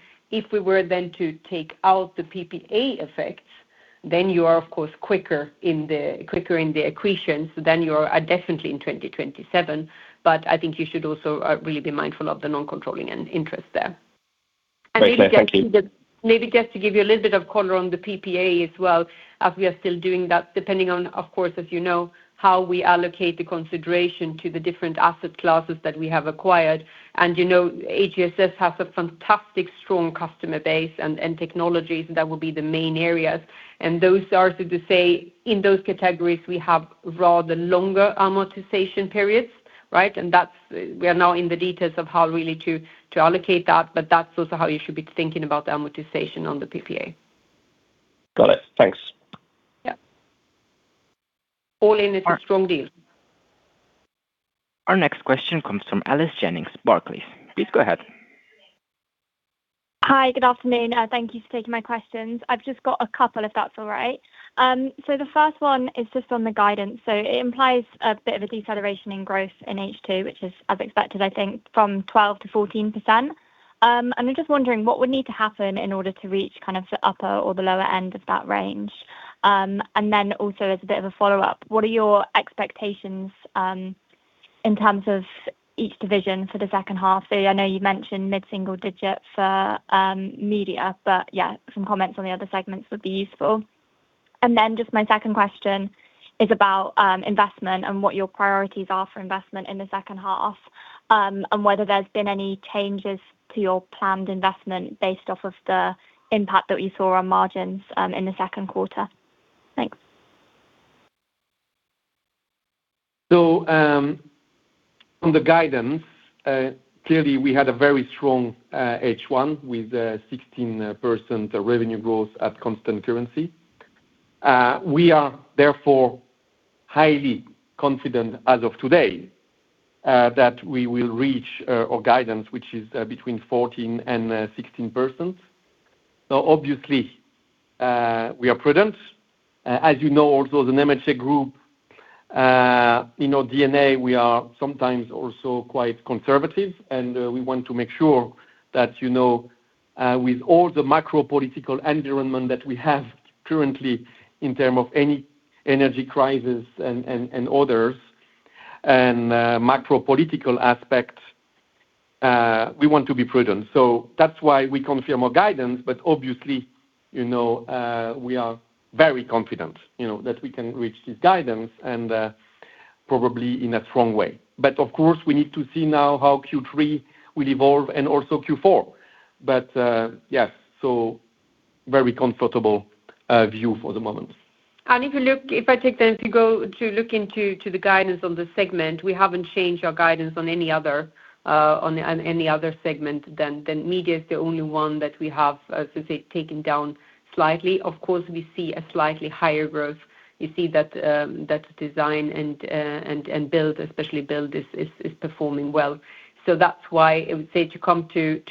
we were to take out the PPA effects, you are, of course, quicker in the accretion. You are definitely in 2027. I think you should also really be mindful of the non-controlling interest there. Great. Thank you. Maybe just to give you a little bit of color on the PPA as well, as we are still doing that, depending on, of course, as you know, how we allocate the consideration to the different asset classes that we have acquired. HCSS has a fantastic strong customer base and technologies that will be the main areas. Those are, so to say, in those categories, we have rather longer amortization periods. Right? We are now in the details of how really to allocate that, but that's also how you should be thinking about amortization on the PPA. Got it. Thanks. All in, it's a strong deal. Our next question comes from Alice Jennings, Barclays. Please go ahead. Hi. Good afternoon. Thank you for taking my questions. I've just got a couple if that's all right. The first one is just on the guidance. It implies a bit of a deceleration in growth in H2, which is as expected, I think from 12%-14%. I'm just wondering what would need to happen in order to reach kind of the upper or the lower end of that range. Also as a bit of a follow-up, what are your expectations in terms of each division for the second half? I know you mentioned mid-single digit for media, but yeah, some comments on the other segments would be useful. Just my second question is about investment and what your priorities are for investment in the second half, and whether there's been any changes to your planned investment based off of the impact that you saw on margins in the second quarter. Thanks. On the guidance, clearly we had a very strong H1 with 16% revenue growth at constant currency. We are therefore highly confident as of today that we will reach our guidance, which is between 14% and 16%. Obviously, we are prudent. As you know also the Nemetschek Group, in our DNA, we are sometimes also quite conservative, and we want to make sure that with all the macro political environment that we have currently in term of any energy crisis and others and macro political aspect, we want to be prudent. That's why we confirm our guidance. Obviously, we are very confident that we can reach this guidance and probably in a strong way. Of course, we need to see now how Q3 will evolve and also Q4. Yes, very comfortable view for the moment. If I take them to go to look into the guidance on the segment, we haven't changed our guidance on any other segment than media is the only one that we have, so to say, taken down slightly. We see a slightly higher growth. You see that design and build, especially build, is performing well. That's why I would say to come to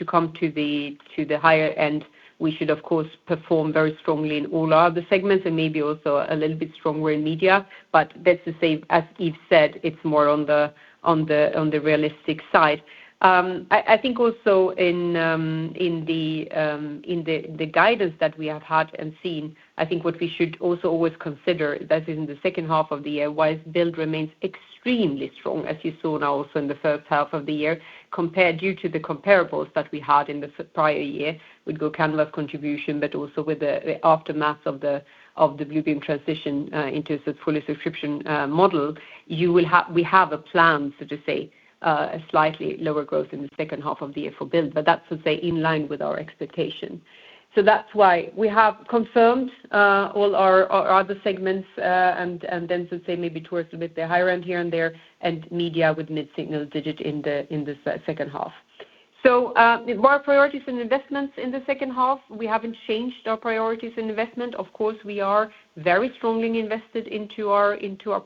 the higher end, we should of course perform very strongly in all our other segments and maybe also a little bit stronger in media. That's to say, as Yves said, it's more on the realistic side. I think also in the guidance that we have had and seen, I think what we should also always consider that in the second half of the year, whilst build remains extremely strong, as you saw now also in the first half of the year, compared due to the comparables that we had in the prior year with GoCanvas contribution, but also with the aftermath of the Bluebeam transition into the fully subscription model, we have a plan, so to say, a slightly lower growth in the second half of the year for build, but that's to say in line with our expectation. That's why we have confirmed all our other segments, and then to say maybe towards a bit the higher end here and there and media with mid-single digit in the second half. More priorities and investments in the second half. We haven't changed our priorities in investment. Of course, we are very strongly invested into our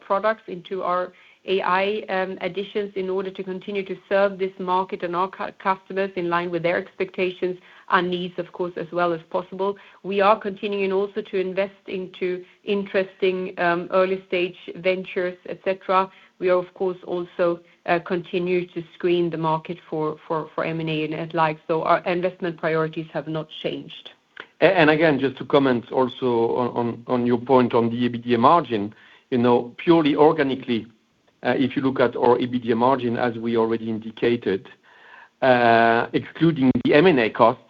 products, into our AI additions in order to continue to serve this market and our customers in line with their expectations and needs, of course, as well as possible. We are continuing also to invest into interesting early stage ventures, et cetera. We of course also continue to screen the market for M&A and like. Our investment priorities have not changed. Again, just to comment also on your point on the EBITDA margin. Purely organically, if you look at our EBITDA margin, as we already indicated, excluding the M&A costs,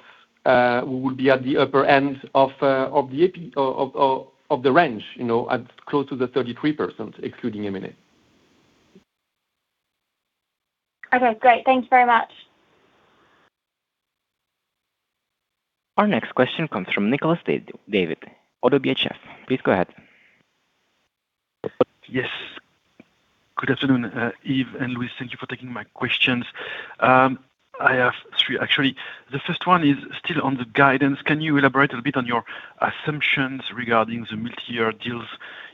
we will be at the upper end of the range, at close to the 33%, excluding M&A. Okay, great. Thank you very much. Our next question comes from Nicolas David, ODDO BHF. Please go ahead. Yes. Good afternoon, Yves and Louise. Thank you for taking my questions. I have three actually. The first one is still on the guidance. Can you elaborate a bit on your assumptions regarding the multi-year deals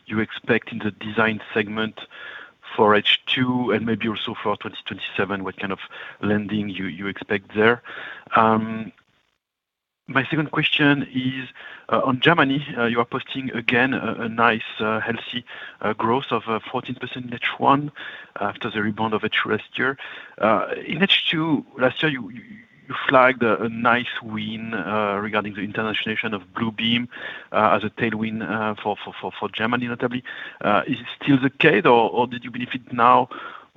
you expect in the design segment for H2 and maybe also for 2027, what kind of lending you expect there? My second question is on Germany. You are posting again a nice healthy growth of 14% in H1 after the rebound of H1 last year. In H2 last year, you flagged a nice win regarding the internationalization of Bluebeam as a tailwind for Germany notably. Is it still the case or did you benefit now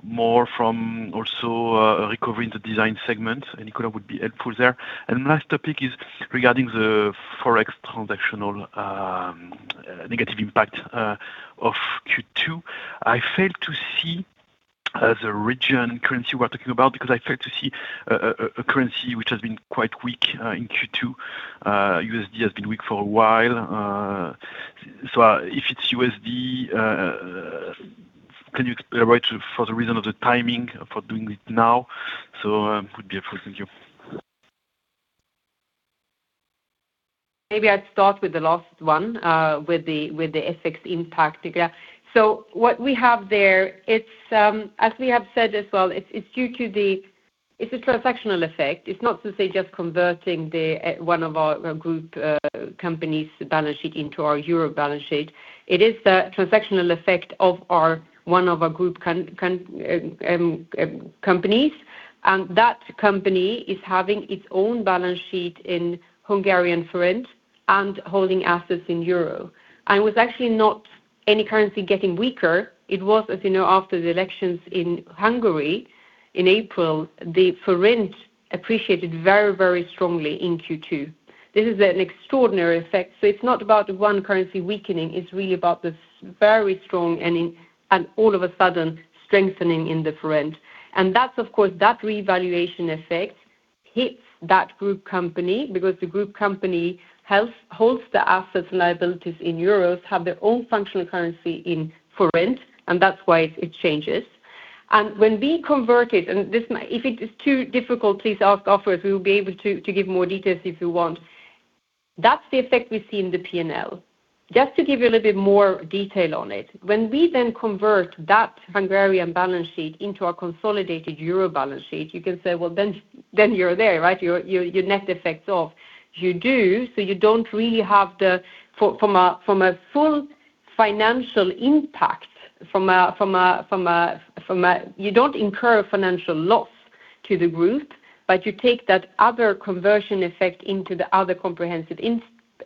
more from also recovering the design segment? Any color would be helpful there. Last topic is regarding the Forex transactional negative impact of Q2. I failed to see the region, currency we're talking about, because I failed to see a currency which has been quite weak in Q2. USD has been weak for a while. So if it's USD, can you elaborate for the reason of the timing for doing it now? So, yeah, thank you. Maybe I'll start with the last one, with the FX impact. So what we have there, it's, as we have said as well, it's due to the, it's a transactional effect. It's not to say just converting one of our group companies' balance sheet into our euro balance sheet. It is the transactional effect of one of our group companies, and that company is having its own balance sheet in Hungarian forint and holding assets in euro. And it was actually not any currency getting weaker. It was, as you know, after the elections in Hungary in April, the forint appreciated very, very strongly in Q2. This is an extraordinary effect. So it's not about one currency weakening, it's really about the very strong and all of a sudden strengthening in the forint. That revaluation effect hits that group company because the group company holds the assets and liabilities in euros, have their own functional currency in forint, and that's why it changes. When we convert it, and if it is too difficult, please ask afterwards, we will be able to give more details if you want. That's the effect we see in the P&L. Just to give you a little bit more detail on it. When we then convert that Hungarian balance sheet into our consolidated euro balance sheet, you can say, well, then you're there, right? Your net effect is off. You don't really have from a full financial impact, you don't incur a financial loss to the group, but you take that other conversion effect into the other comprehensive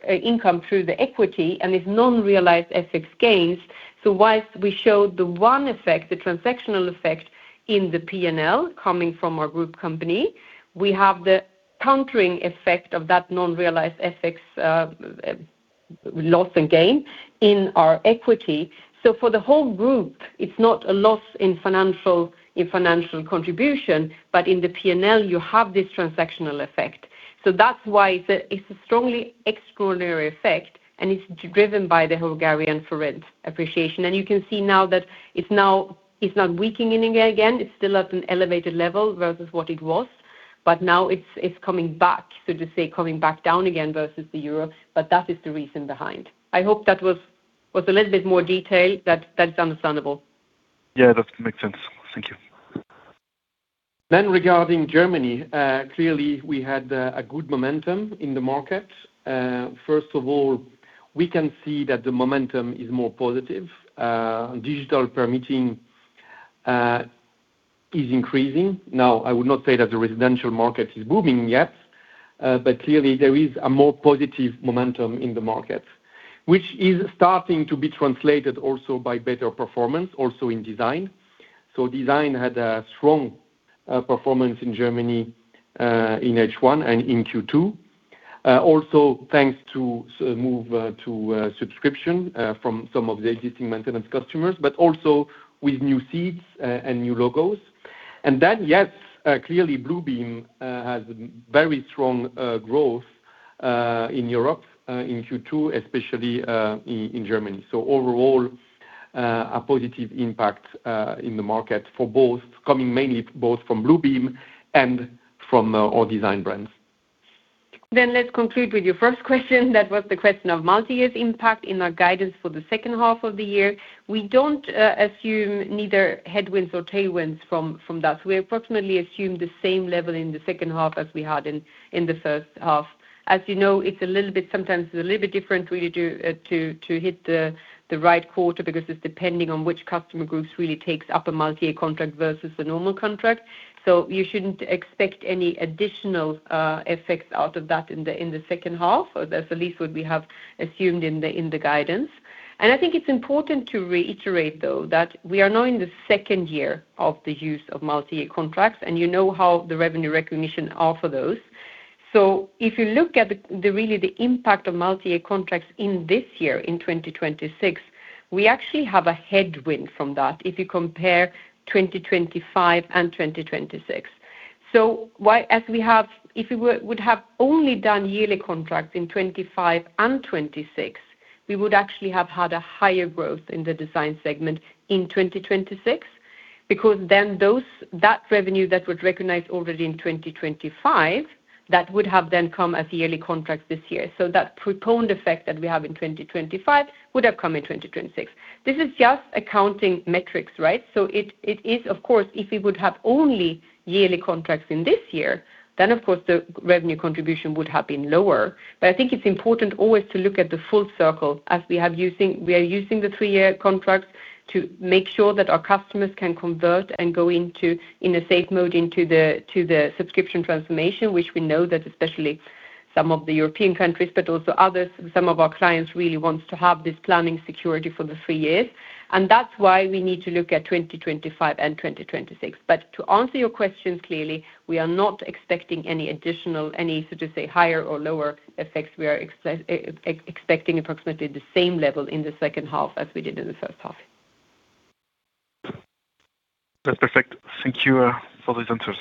income through the equity, and it's non-realized FX gains. Whilst we showed the one effect, the transactional effect in the P&L coming from our group company, we have the countering effect of that non-realized FX loss and gain in our equity. For the whole group, it's not a loss in financial contribution, but in the P&L, you have this transactional effect. That's why it's a strongly extraordinary effect, and it's driven by the Hungarian forint appreciation. You can see now that it's not weakening again. It's still at an elevated level versus what it was, but now it's coming back, so to say, coming back down again versus the euro. That is the reason behind. I hope that was a little bit more detail that's understandable. Yeah, that makes sense. Thank you. Regarding Germany, clearly, we had a good momentum in the market. First of all, we can see that the momentum is more positive. Digital permitting is increasing. Now, I would not say that the residential market is booming yet, but clearly there is a more positive momentum in the market, which is starting to be translated also by better performance, also in design. Design had a strong performance in Germany, in H1 and in Q2. Also thanks to move to subscription from some of the existing maintenance customers, but also with new seats, and new logos. Yes, clearly Bluebeam has very strong growth in Europe, in Q2, especially in Germany. Overall, a positive impact in the market for both, coming mainly both from Bluebeam and from our design brands. Let's conclude with your first question. That was the question of multi-year impact in our guidance for the second half of the year. We don't assume neither headwinds or tailwinds from that. We approximately assume the same level in the second half as we had in the first half. As you know, sometimes it's a little bit different when you do to hit the right quarter because it's depending on which customer groups really takes up a multi-year contract versus a normal contract. You shouldn't expect any additional effects out of that in the second half, or that's at least what we have assumed in the guidance. I think it's important to reiterate, though, that we are now in the second year of the use of multi-year contracts, and you know how the revenue recognition are for those. If you look at really the impact of multi-year contracts in this year, in 2026, we actually have a headwind from that if you compare 2025 and 2026. If we would have only done yearly contracts in 2025 and 2026, we would actually have had a higher growth in the design segment in 2026, because then that revenue that would recognize already in 2025, that would have then come as yearly contracts this year. That postponed effect that we have in 2025 would have come in 2026. This is just accounting metrics, right? It is, of course, if we would have only yearly contracts in this year, then of course the revenue contribution would have been lower. I think it's important always to look at the full circle as we are using the three-year contract to make sure that our customers can convert and go in a safe mode into the subscription transformation, which we know that especially some of the European countries, but also others, some of our clients really wants to have this planning security for the three years, and that's why we need to look at 2025 and 2026. To answer your question clearly, we are not expecting any additional, so to say, higher or lower effects. We are expecting approximately the same level in the second half as we did in the first half. That's perfect. Thank you for these answers.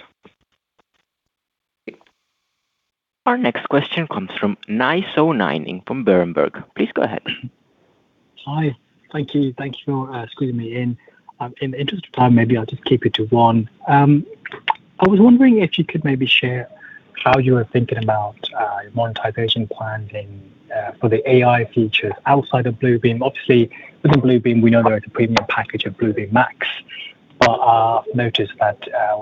Our next question comes from Nay Soe Naing from Berenberg. Please go ahead. Hi. Thank you for squeezing me in. In the interest of time, maybe I'll just keep it to one. I was wondering if you could maybe share how you are thinking about your monetization plans for the AI features outside of Bluebeam. Obviously, within Bluebeam, we know there is a premium package of Bluebeam Max, but I noticed that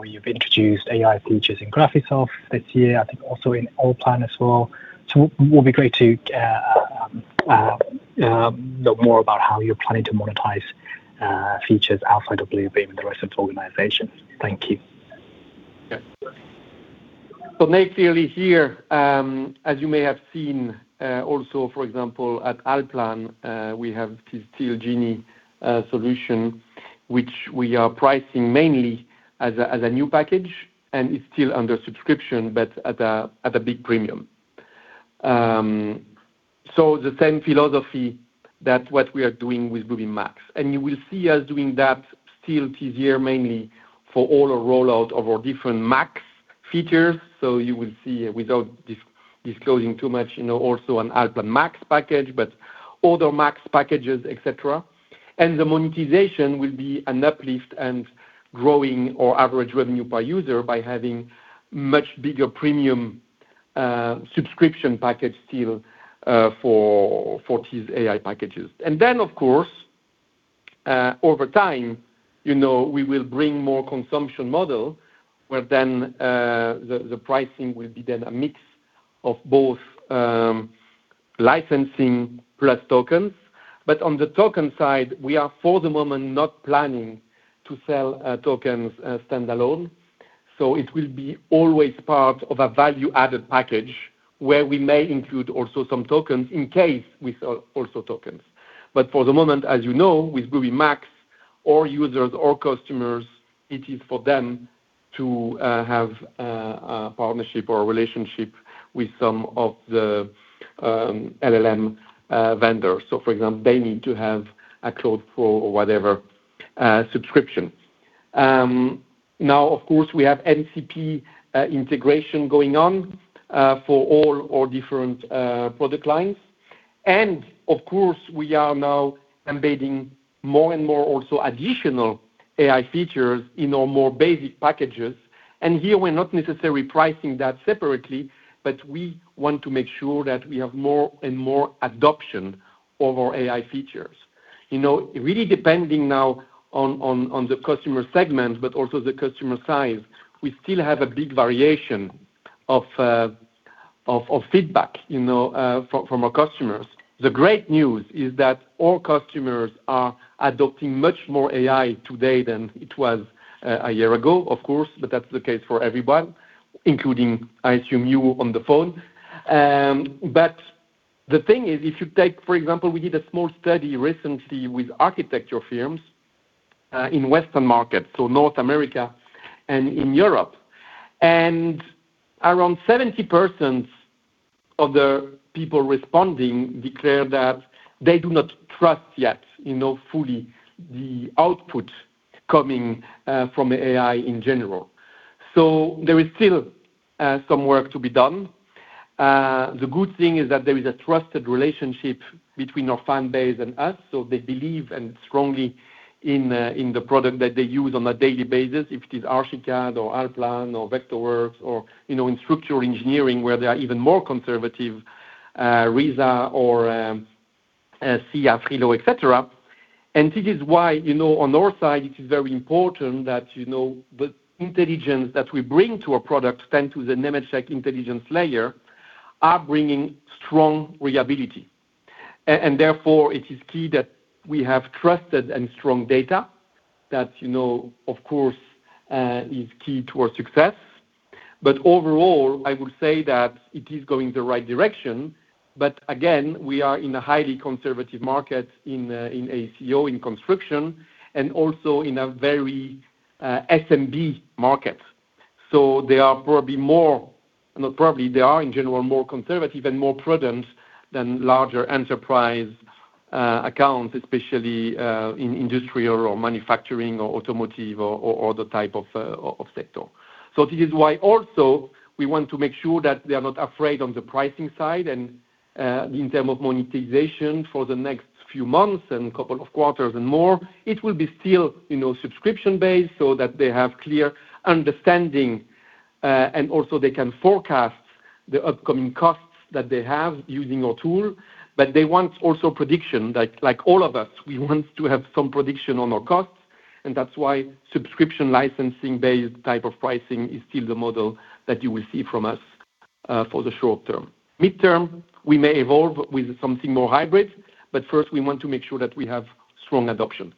you've introduced AI features in Graphisoft this year, I think also in ALLPLAN as well. It would be great to know more about how you're planning to monetize features outside of Bluebeam in the rest of the organization. Thank you. Clearly here, as you may have seen, also, for example, at ALLPLAN, we have Steel Genie solution, which we are pricing mainly as a new package, and it's still under subscription, but at a big premium. The same philosophy that what we are doing with Bluebeam Max, and you will see us doing that still this year, mainly for all the rollout of our different Max features. You will see, without disclosing too much, also an ALLPLAN Max package, but other Max packages, et cetera. The monetization will be an uplift and growing our average revenue per user by having much bigger premium subscription package still for these AI packages. Of course, over time, we will bring more consumption model, where then the pricing will be then a mix of both licensing plus tokens. On the token side, we are, for the moment, not planning to sell tokens standalone. It will be always part of a value-added package where we may include also some tokens in case we sell also tokens. For the moment, as you know, with Bluebeam Max or users or customers, it is for them to have a partnership or relationship with some of the LLM vendors. For example, they need to have a cloud for whatever subscription. Of course, we have NCP integration going on for all our different product lines. Of course, we are now embedding more and more also additional AI features in our more basic packages. Here we're not necessarily pricing that separately, but we want to make sure that we have more and more adoption of our AI features. Really depending now on the customer segment, but also the customer size, we still have a big variation of feedback from our customers. The great news is that all customers are adopting much more AI today than it was a year ago, of course, but that's the case for everyone, including, I assume, you on the phone. The thing is, if you take, for example, we did a small study recently with architecture firms in Western markets, North America and in Europe. Around 70% of the people responding declared that they do not trust yet fully the output coming from AI in general. There is still some work to be done. The good thing is that there is a trusted relationship between our fan base and us, so they believe strongly in the product that they use on a daily basis, if it is Archicad or ALLPLAN or Vectorworks or in structural engineering where they are even more conservative, RISA or SCIA, FRILO, et cetera. This is why on our side, it is very important that the intelligence that we bring to our product, thanks to the Nemetschek intelligence layer, are bringing strong reliability. Therefore, it is key that we have trusted and strong data that of course is key to our success. Overall, I would say that it is going the right direction. Again, we are in a highly conservative market in AEC/O, in construction, and also in a very SMB market. They are in general more conservative and more prudent than larger enterprise accounts, especially in industrial or manufacturing or automotive or other type of sector. This is why also we want to make sure that they are not afraid on the pricing side and in term of monetization for the next few months and couple of quarters and more. It will be still subscription-based so that they have clear understanding, and also they can forecast the upcoming costs that they have using our tool. They want also prediction, like all of us, we want to have some prediction on our costs, and that's why subscription licensing-based type of pricing is still the model that you will see from us for the short term. Midterm, we may evolve with something more hybrid, but first we want to make sure that we have strong adoption.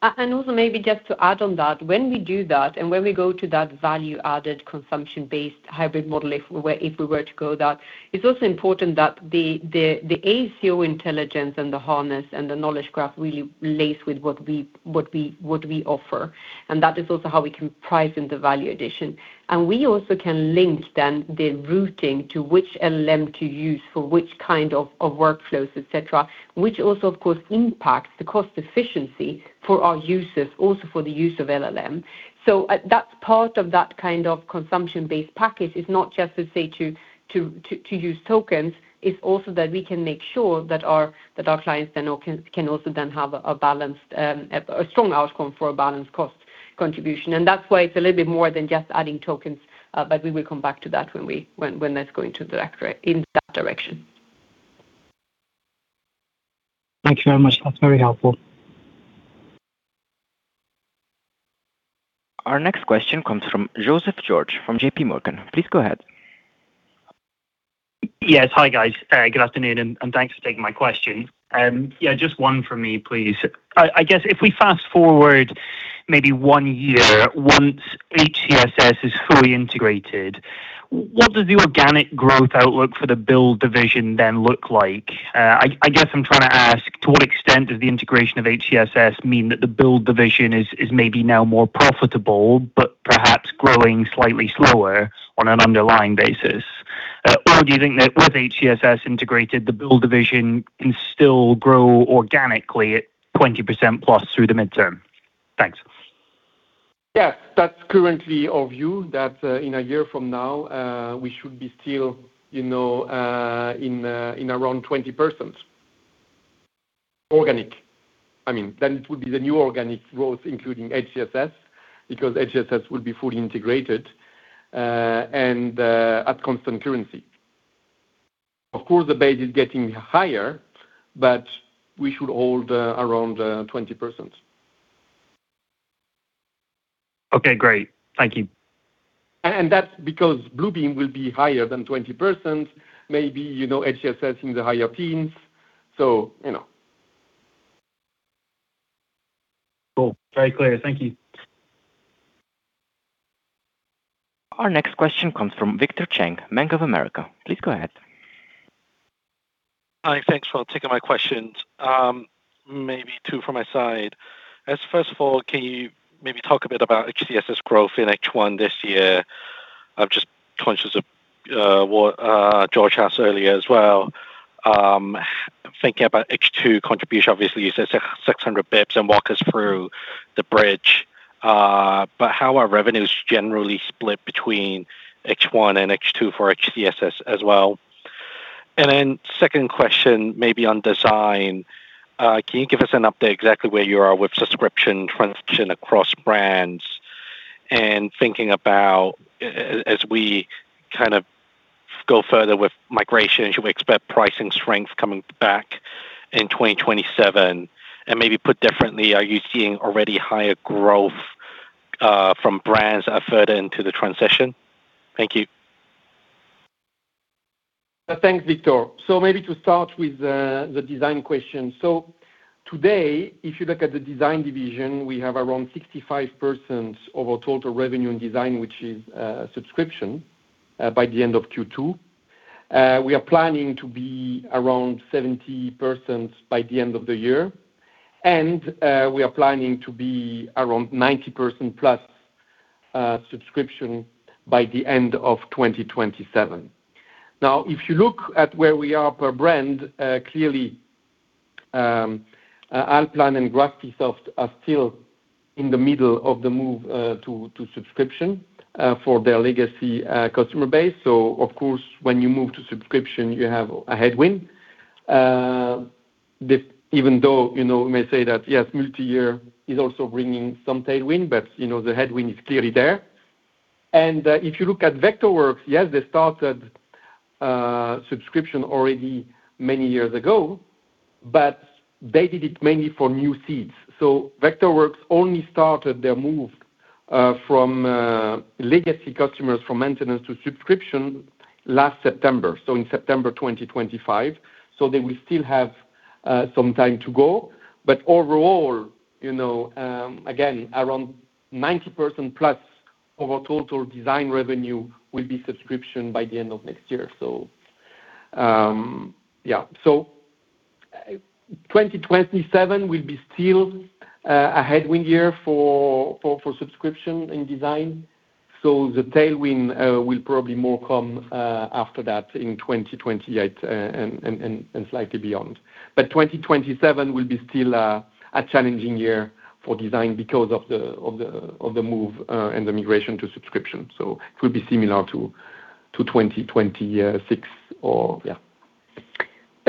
Also, maybe just to add on that, when we do that and when we go to that value-added consumption-based hybrid model, if we were to go that, it's also important that the AEC/O intelligence and the harness and the knowledge graph really lace with what we offer. That is also how we can price in the value addition. We also can link then the routing to which LLM to use for which kind of workflows, et cetera, which also, of course, impacts the cost efficiency for our users, also for the use of LLM. That's part of that kind of consumption-based package is not just to say to use tokens, it's also that we can make sure that our clients then can also then have a strong outcome for a balanced cost contribution. That's why it's a little bit more than just adding tokens, we will come back to that when that's going in that direction. Thank you very much. That's very helpful. Our next question comes from Joseph George from JPMorgan. Please go ahead. Yes. Hi, guys. Good afternoon, thanks for taking my question. Yeah, just one from me, please. I guess if we fast-forward maybe one year, once HCSS is fully integrated, what does the organic growth outlook for the build division then look like? I guess I'm trying to ask to what extent does the integration of HCSS mean that the build division is maybe now more profitable, but perhaps growing slightly slower on an underlying basis? Do you think that with HCSS integrated, the build division can still grow organically at 20%+ through the midterm? Thanks. Yeah. That's currently our view that in a year from now, we should be still in around 20% organic. It will be the new organic growth, including HCSS, because HCSS will be fully integrated at constant currency. Of course, the base is getting higher, we should hold around 20%. Okay, great. Thank you. That's because Bluebeam will be higher than 20%, maybe HCSS in the higher teens. Cool. Very clear. Thank you. Our next question comes from Victor Cheng, Bank of America. Please go ahead. Hi. Thanks for taking my questions. Maybe two from my side. First of all, can you maybe talk a bit about HCSS growth in H1 this year? I'm just conscious of what George asked earlier as well. Thinking about H2 contribution, obviously you said 600 basis points, walk us through the bridge. How are revenues generally split between H1 and H2 for HCSS as well? Then second question, maybe on Design. Can you give us an update exactly where you are with subscription transition across brands? Thinking about as we kind of go further with migration, should we expect pricing strength coming back in 2027? Maybe put differently, are you seeing already higher growth from brands that are further into the transition? Thank you. Thanks, Victor. Maybe to start with the Design question. Today, if you look at the Design division, we have around 65% of our total revenue in Design, which is subscription by the end of Q2. We are planning to be around 70% by the end of the year. We are planning to be around 90%+ subscription by the end of 2027. Now, if you look at where we are per brand, clearly, ALLPLAN and Graphisoft are still in the middle of the move to subscription for their legacy customer base. Of course, when you move to subscription, you have a headwind. Even though you may say that, yes, multi-year is also bringing some tailwind, but the headwind is clearly there. If you look at Vectorworks, yes, they started subscription already many years ago, but they did it mainly for new seeds. Vectorworks only started their move from legacy customers from maintenance to subscription last September. In September 2025. They will still have some time to go. Overall, again, around 90%+ of our total design revenue will be subscription by the end of next year. 2027 will be still a headwind year for subscription in design. The tailwind will probably more come after that in 2028 and slightly beyond. 2027 will be still a challenging year for design because of the move and the migration to subscription. It will be similar to 2026.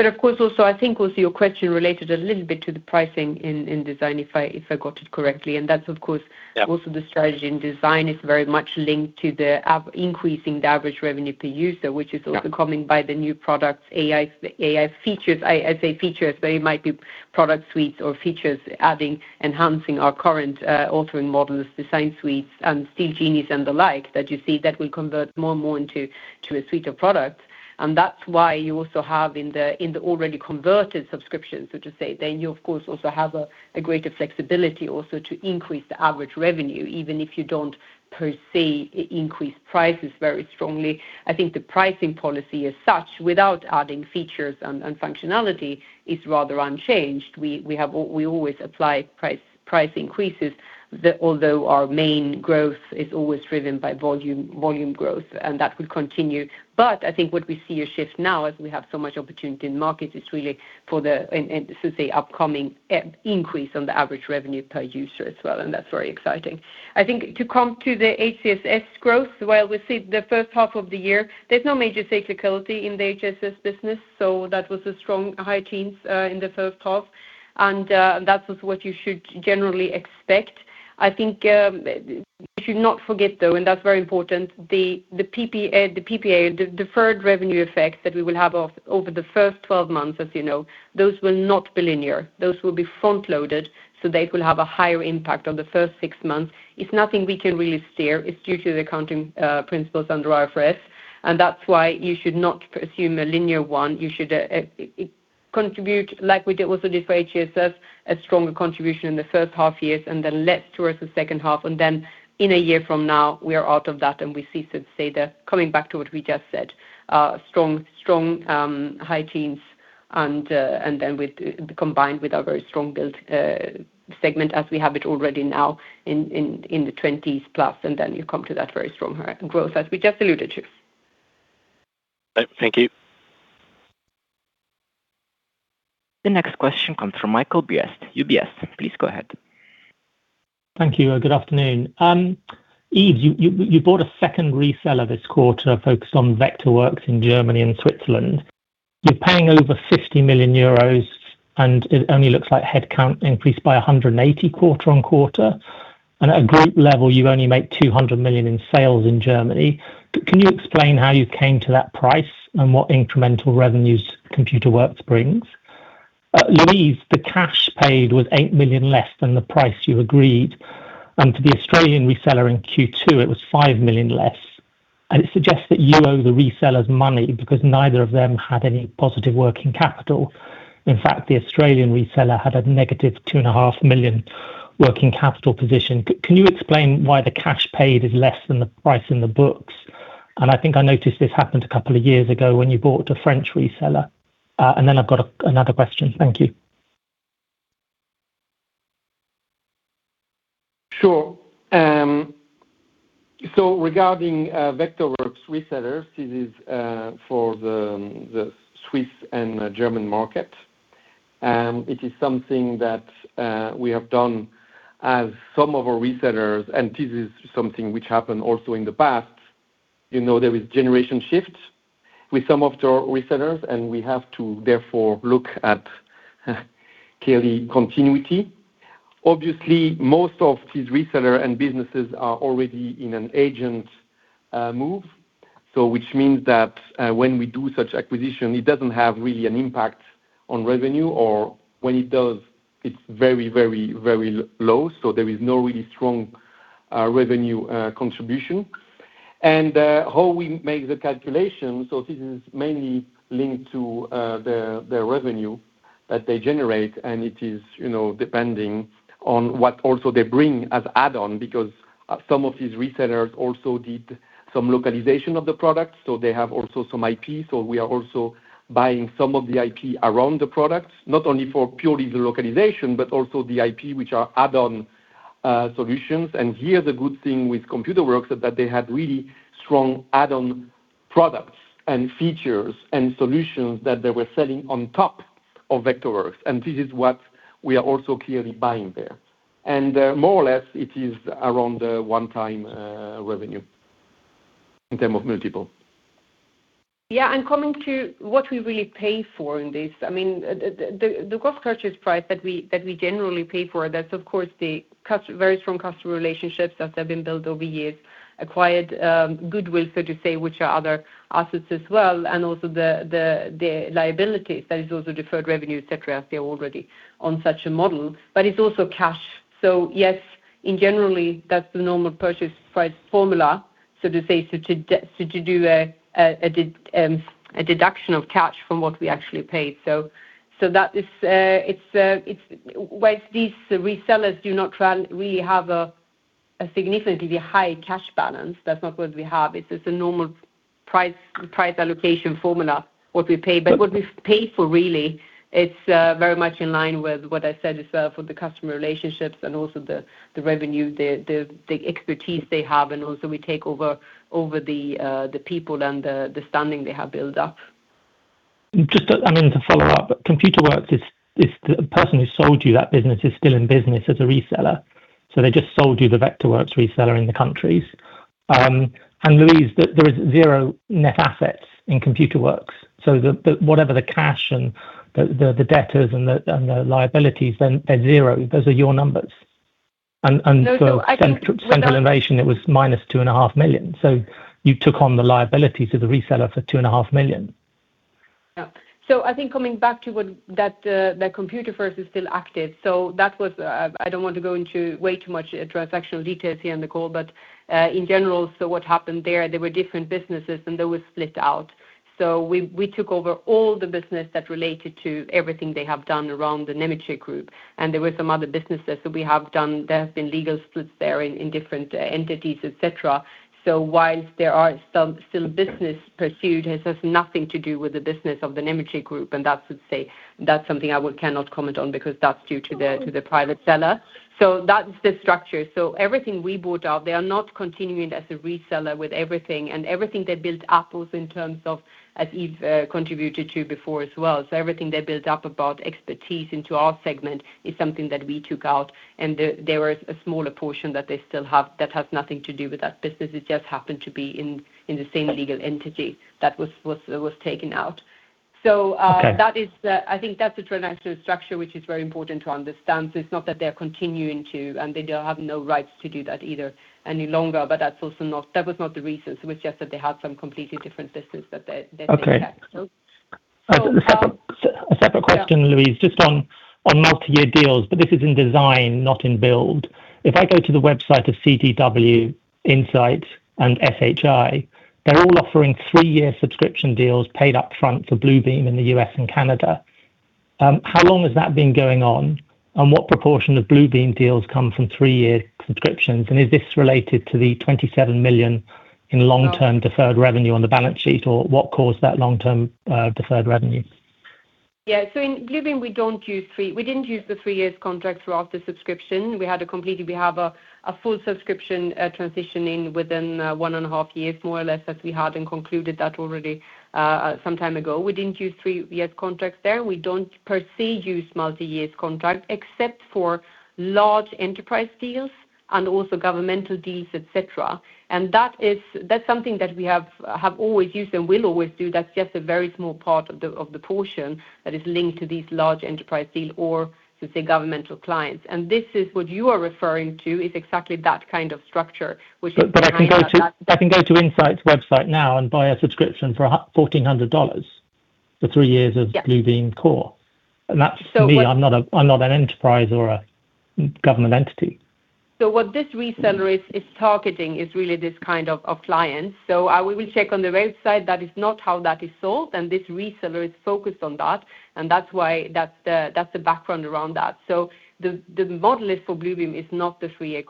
Of course, also, I think also your question related a little bit to the pricing in design, if I got it correctly. That's, of course- Yeah. also the strategy in Design is very much linked to the increasing the average revenue per user, which is also- Yeah coming by the new products, AI features. I say features, but it might be product suites or features adding, enhancing our current authoring models, design suites, and Steel Genie and the like that you see that will convert more and more into a suite of products. That's why you also have in the already converted subscription, so to say. You, of course, also have a greater flexibility also to increase the average revenue, even if you don't per se increase prices very strongly. I think the pricing policy as such, without adding features and functionality, is rather unchanged. We always apply price increases, although our main growth is always driven by volume growth, and that will continue. I think what we see a shift now, as we have so much opportunity in the market, is really for the, so to say, upcoming increase on the average revenue per user as well, and that's very exciting. I think to come to the HCSS growth, while we see the first half of the year, there's no major cyclicality in the HCSS business, so that was a strong high teens in the first half, and that was what you should generally expect. I think we should not forget though, and that's very important, the PPA, the deferred revenue effects that we will have over the first 12 months as you know, those will not be linear. Those will be front-loaded, so they will have a higher impact on the first six months. It's nothing we can really steer. It's due to the accounting principles under IFRS, and that's why you should not assume a linear one. You should contribute like we also did for HCSS, a stronger contribution in the first half years and then less towards the second half. In a year from now, we are out of that and we see, so to say, the coming back to what we just said, strong high teens and then combined with our very strong build segment as we have it already now in the 20s+, and then you come to that very strong growth as we just alluded to. Right. Thank you. The next question comes from Michael Briest, UBS. Please go ahead. Thank you. Good afternoon. Yves, you bought a second reseller this quarter focused on Vectorworks in Germany and Switzerland. It only looks like headcount increased by 180 quarter-on-quarter. At a group level, you only make 200 million in sales in Germany. Can you explain how you came to that price and what incremental revenues ComputerWorks brings? Louise, the cash paid was 8 million less than the price you agreed, for the Australian reseller in Q2, it was 5 million less. It suggests that you owe the resellers money because neither of them had any positive working capital. In fact, the Australian reseller had a -2.5 million working capital position. Can you explain why the cash paid is less than the price in the books? I think I noticed this happened a couple of years ago when you bought a French reseller. Then I've got another question. Thank you. Sure. Regarding Vectorworks resellers, this is for the Swiss and German market. It is something that we have done as some of our resellers, and this is something which happened also in the past. There is generation shift with some of the resellers, and we have to therefore look at clearly continuity. Obviously, most of these reseller and businesses are already in an agent move. Which means that when we do such acquisition, it doesn't have really an impact on revenue, or when it does, it's very low. There is no really strong revenue contribution. How we make the calculation, this is mainly linked to the revenue that they generate, and it is depending on what also they bring as add-on because some of these resellers also did some localization of the product, so they have also some IP. We are also buying some of the IP around the product, not only for purely the localization but also the IP, which are add-on solutions. Here is a good thing with ComputerWorks is that they had really strong add-on products and features and solutions that they were selling on top of Vectorworks, and this is what we are also clearly buying there. More or less, it is around the one-time revenue in terms of multiple. Coming to what we really pay for in this. The gross purchase price that we generally pay for, that's of course the very strong customer relationships that have been built over years, acquired goodwill, so to say, which are other assets as well, and also the liabilities, that is also deferred revenue, et cetera. They're already on such a model, but it's also cash. Yes, in general, that's the normal purchase price formula, so to say, so to do a deduction of cash from what we actually paid. Whilst these resellers do not really have a significantly high cash balance, that's not what we have. It's a normal price allocation formula, what we pay. What we pay for really, it's very much in line with what I said is for the customer relationships and also the revenue, the expertise they have, and also we take over the people and the standing they have built up. Just to follow up, ComputerWorks is the person who sold you that business is still in business as a reseller. They just sold you the Vectorworks reseller in the countries. Louise, there is zero net assets in ComputerWorks. Whatever the cash and the debtors and the liabilities, they're zero. Those are your numbers. No. For Central Innovation, it was -2.5 million. You took on the liability to the reseller for 2.5 Million. Yeah. I think coming back to that ComputerWorks is still active. I don't want to go into way too much transactional details here on the call, but in general, what happened there, they were different businesses, and they were split out. We took over all the business that related to everything they have done around the Nemetschek Group, and there were some other businesses. We have done, there have been legal splits there in different entities, et cetera. Whilst there are still business pursued, it has nothing to do with the business of the Nemetschek Group, and that's something I cannot comment on because that's due to the private seller. That's the structure. Everything we bought out, they are not continuing as a reseller with everything. Everything they built up also in terms of, as Yves contributed to before as well. Everything they built up about expertise into our segment is something that we took out, and there was a smaller portion that they still have that has nothing to do with that business. It just happened to be in the same legal entity that was taken out. I think that's the transaction structure, which is very important to understand. It's not that they're continuing to, and they have no rights to do that either any longer, but that was not the reason. It was just that they had some completely different business. Okay. A separate question, Louise, just on multi-year deals, but this is in design, not in build. If I go to the website of CDW, Insight, and SHI, they're all offering three-year subscription deals paid up front for Bluebeam in the U.S. and Canada. How long has that been going on? What proportion of Bluebeam deals come from three-year subscriptions? Is this related to the 27 million in long-term deferred revenue on the balance sheet, or what caused that long-term, deferred revenue? Yeah. In Bluebeam, we didn't use the three-year contract throughout the subscription. We have a full subscription transitioning within one and a half years, more or less, as we had and concluded that already some time ago. We didn't use three-year contracts there. We don't per se use multi-year contract except for large enterprise deals and also governmental deals, et cetera. That's something that we have always used and will always do. That's just a very small part of the portion that is linked to these large enterprise deals or, so to say, governmental clients. This is what you are referring to, is exactly that kind of structure. I can go to Insight's website now and buy a subscription for $1,400 for three years. Yes. Bluebeam Core. That's me, I'm not an enterprise or a government entity. What this reseller is targeting is really this kind of client. We will check on the website. That is not how that is sold, this reseller is focused on that's the background around that. The model is for Bluebeam is not the three-year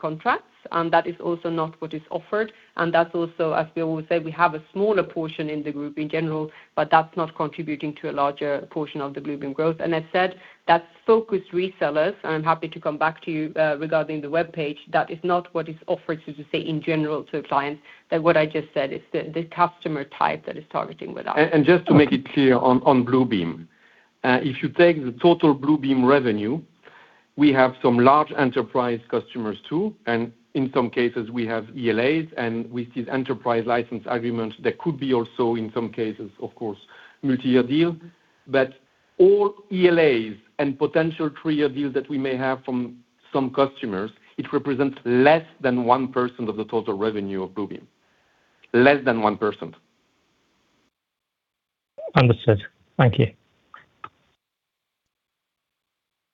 contracts, that is also not what is offered. That's also, as we always say, we have a smaller portion in the group in general, but that's not contributing to a larger portion of the Bluebeam growth. As said, that's focused resellers, I'm happy to come back to you regarding the webpage. That is not what is offered, so to say, in general to clients. That what I just said is the customer type that is targeting with us. Just to make it clear on Bluebeam. If you take the total Bluebeam revenue, we have some large enterprise customers, too. In some cases, we have ELAs, we see enterprise license agreements that could be also, in some cases, of course, multi-year deals. All ELAs and potential three-year deals that we may have from some customers, it represents less than 1% of the total revenue of Bluebeam. Less than 1%. Understood. Thank you.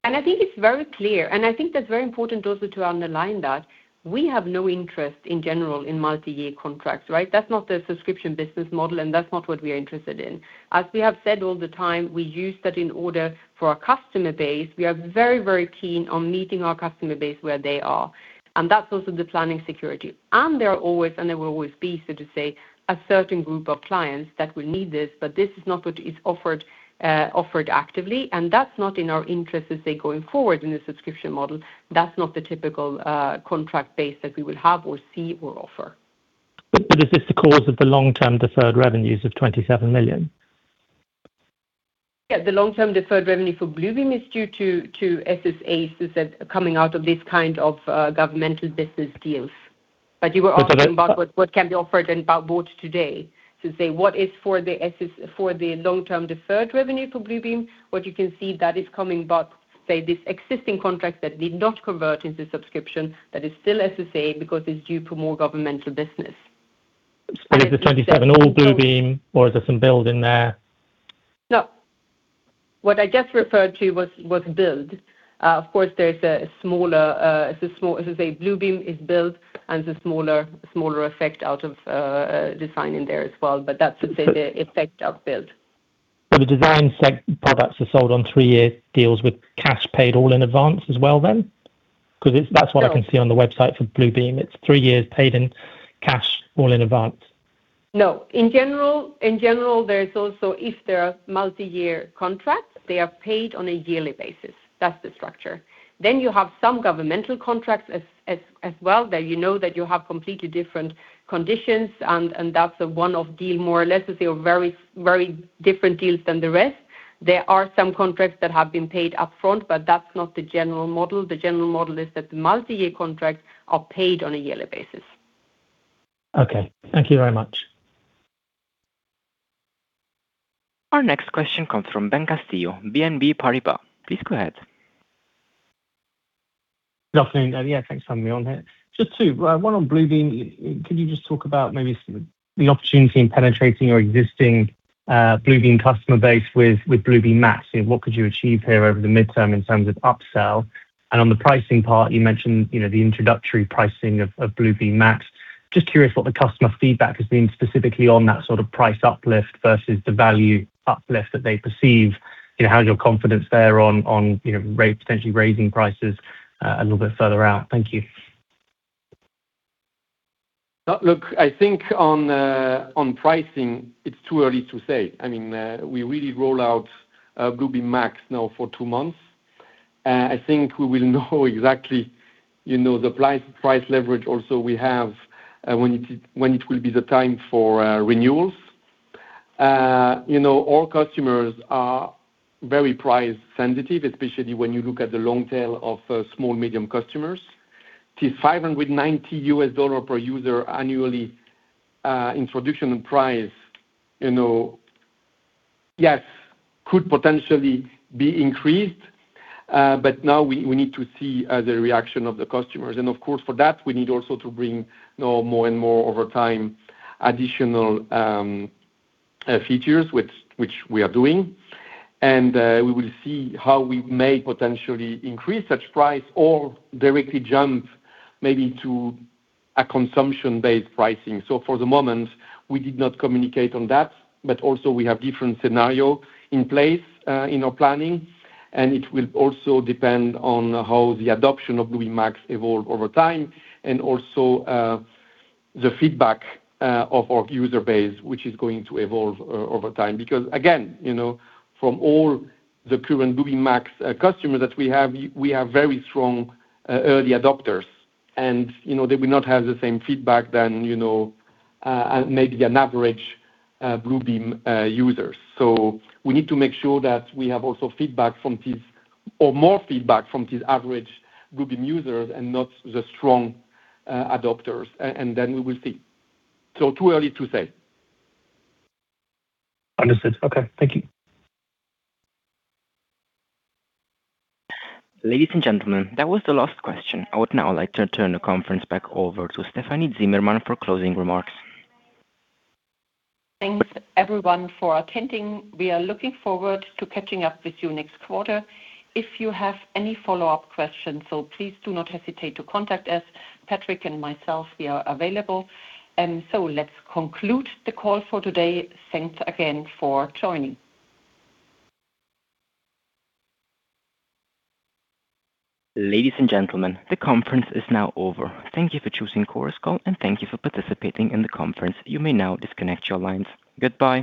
I think it's very clear, I think that's very important also to underline that we have no interest in general in multi-year contracts, right? That's not the subscription business model, and that's not what we are interested in. As we have said all the time, we use that in order for our customer base. We are very, very keen on meeting our customer base where they are, and that's also the planning security. There are always, and there will always be, so to say, a certain group of clients that will need this is not what is offered actively, that's not in our interest as they're going forward in the subscription model. That's not the typical contract base that we will have or see or offer. Is this the cause of the long-term deferred revenues of 27 million? The long-term deferred revenue for Bluebeam is due to SSAs that are coming out of this kind of governmental business deals. You were asking about what can be offered and bought today. Say, what is for the long-term deferred revenue for Bluebeam, what you can see that is coming, this existing contract that did not convert into subscription, that is still SSA, because it's due for more governmental business. Is the 27 all Bluebeam or is there some build in there? No. What I just referred to was build. Of course, there's a smaller, as I say, Bluebeam is build and the smaller effect out of design in there as well, but that's to say the effect of build. The design products are sold on three-year deals with cash paid all in advance as well then? Because that's what I can see on the website for Bluebeam. It's three years paid in cash all in advance. No. In general, there's also if there are multi-year contracts, they are paid on a yearly basis. That's the structure. You have some governmental contracts as well, that you know that you have completely different conditions, and that's one of deal more or less, as a very, very different deals than the rest. There are some contracts that have been paid upfront, but that's not the general model. The general model is that the multi-year contracts are paid on a yearly basis. Okay. Thank you very much. Our next question comes from Ben Castillo, BNP Paribas. Please go ahead. Good afternoon. Yeah, thanks for having me on here. Just two, one on Bluebeam. Can you just talk about maybe the opportunity in penetrating your existing Bluebeam customer base with Bluebeam Max? What could you achieve here over the midterm in terms of upsell? On the pricing part, you mentioned the introductory pricing of Bluebeam Max. Just curious what the customer feedback has been specifically on that sort of price uplift versus the value uplift that they perceive. How's your confidence there on potentially raising prices a little bit further out? Thank you. Look, I think on pricing, it's too early to say. We really roll out Bluebeam Max now for two months. I think we will know exactly the price leverage or so we have, when it will be the time for renewals. All customers are very price sensitive, especially when you look at the long tail of small, medium customers. This EUR 590 per user annually introduction price, yes, could potentially be increased. Now we need to see the reaction of the customers. Of course, for that, we need also to bring more and more over time additional features, which we are doing. We will see how we may potentially increase such price or directly jump maybe to a consumption-based pricing. For the moment, we did not communicate on that, but also we have different scenario in place in our planning, and it will also depend on how the adoption of Bluebeam Max evolve over time and also the feedback of our user base, which is going to evolve over time. Again, from all the current Bluebeam Max customers that we have, we have very strong early adopters. They will not have the same feedback than maybe an average Bluebeam user. We need to make sure that we have also more feedback from these average Bluebeam users and not the strong adopters. We will see. Too early to say. Understood. Okay. Thank you. Ladies and gentlemen, that was the last question. I would now like to turn the conference back over to Stefanie Zimmermann for closing remarks. Thanks everyone for attending. We are looking forward to catching up with you next quarter. If you have any follow-up questions, please do not hesitate to contact us. Patrik and myself, we are available. Let's conclude the call for today. Thanks again for joining. Ladies and gentlemen, the conference is now over. Thank you for choosing Chorus Call, and thank you for participating in the conference. You may now disconnect your lines. Goodbye.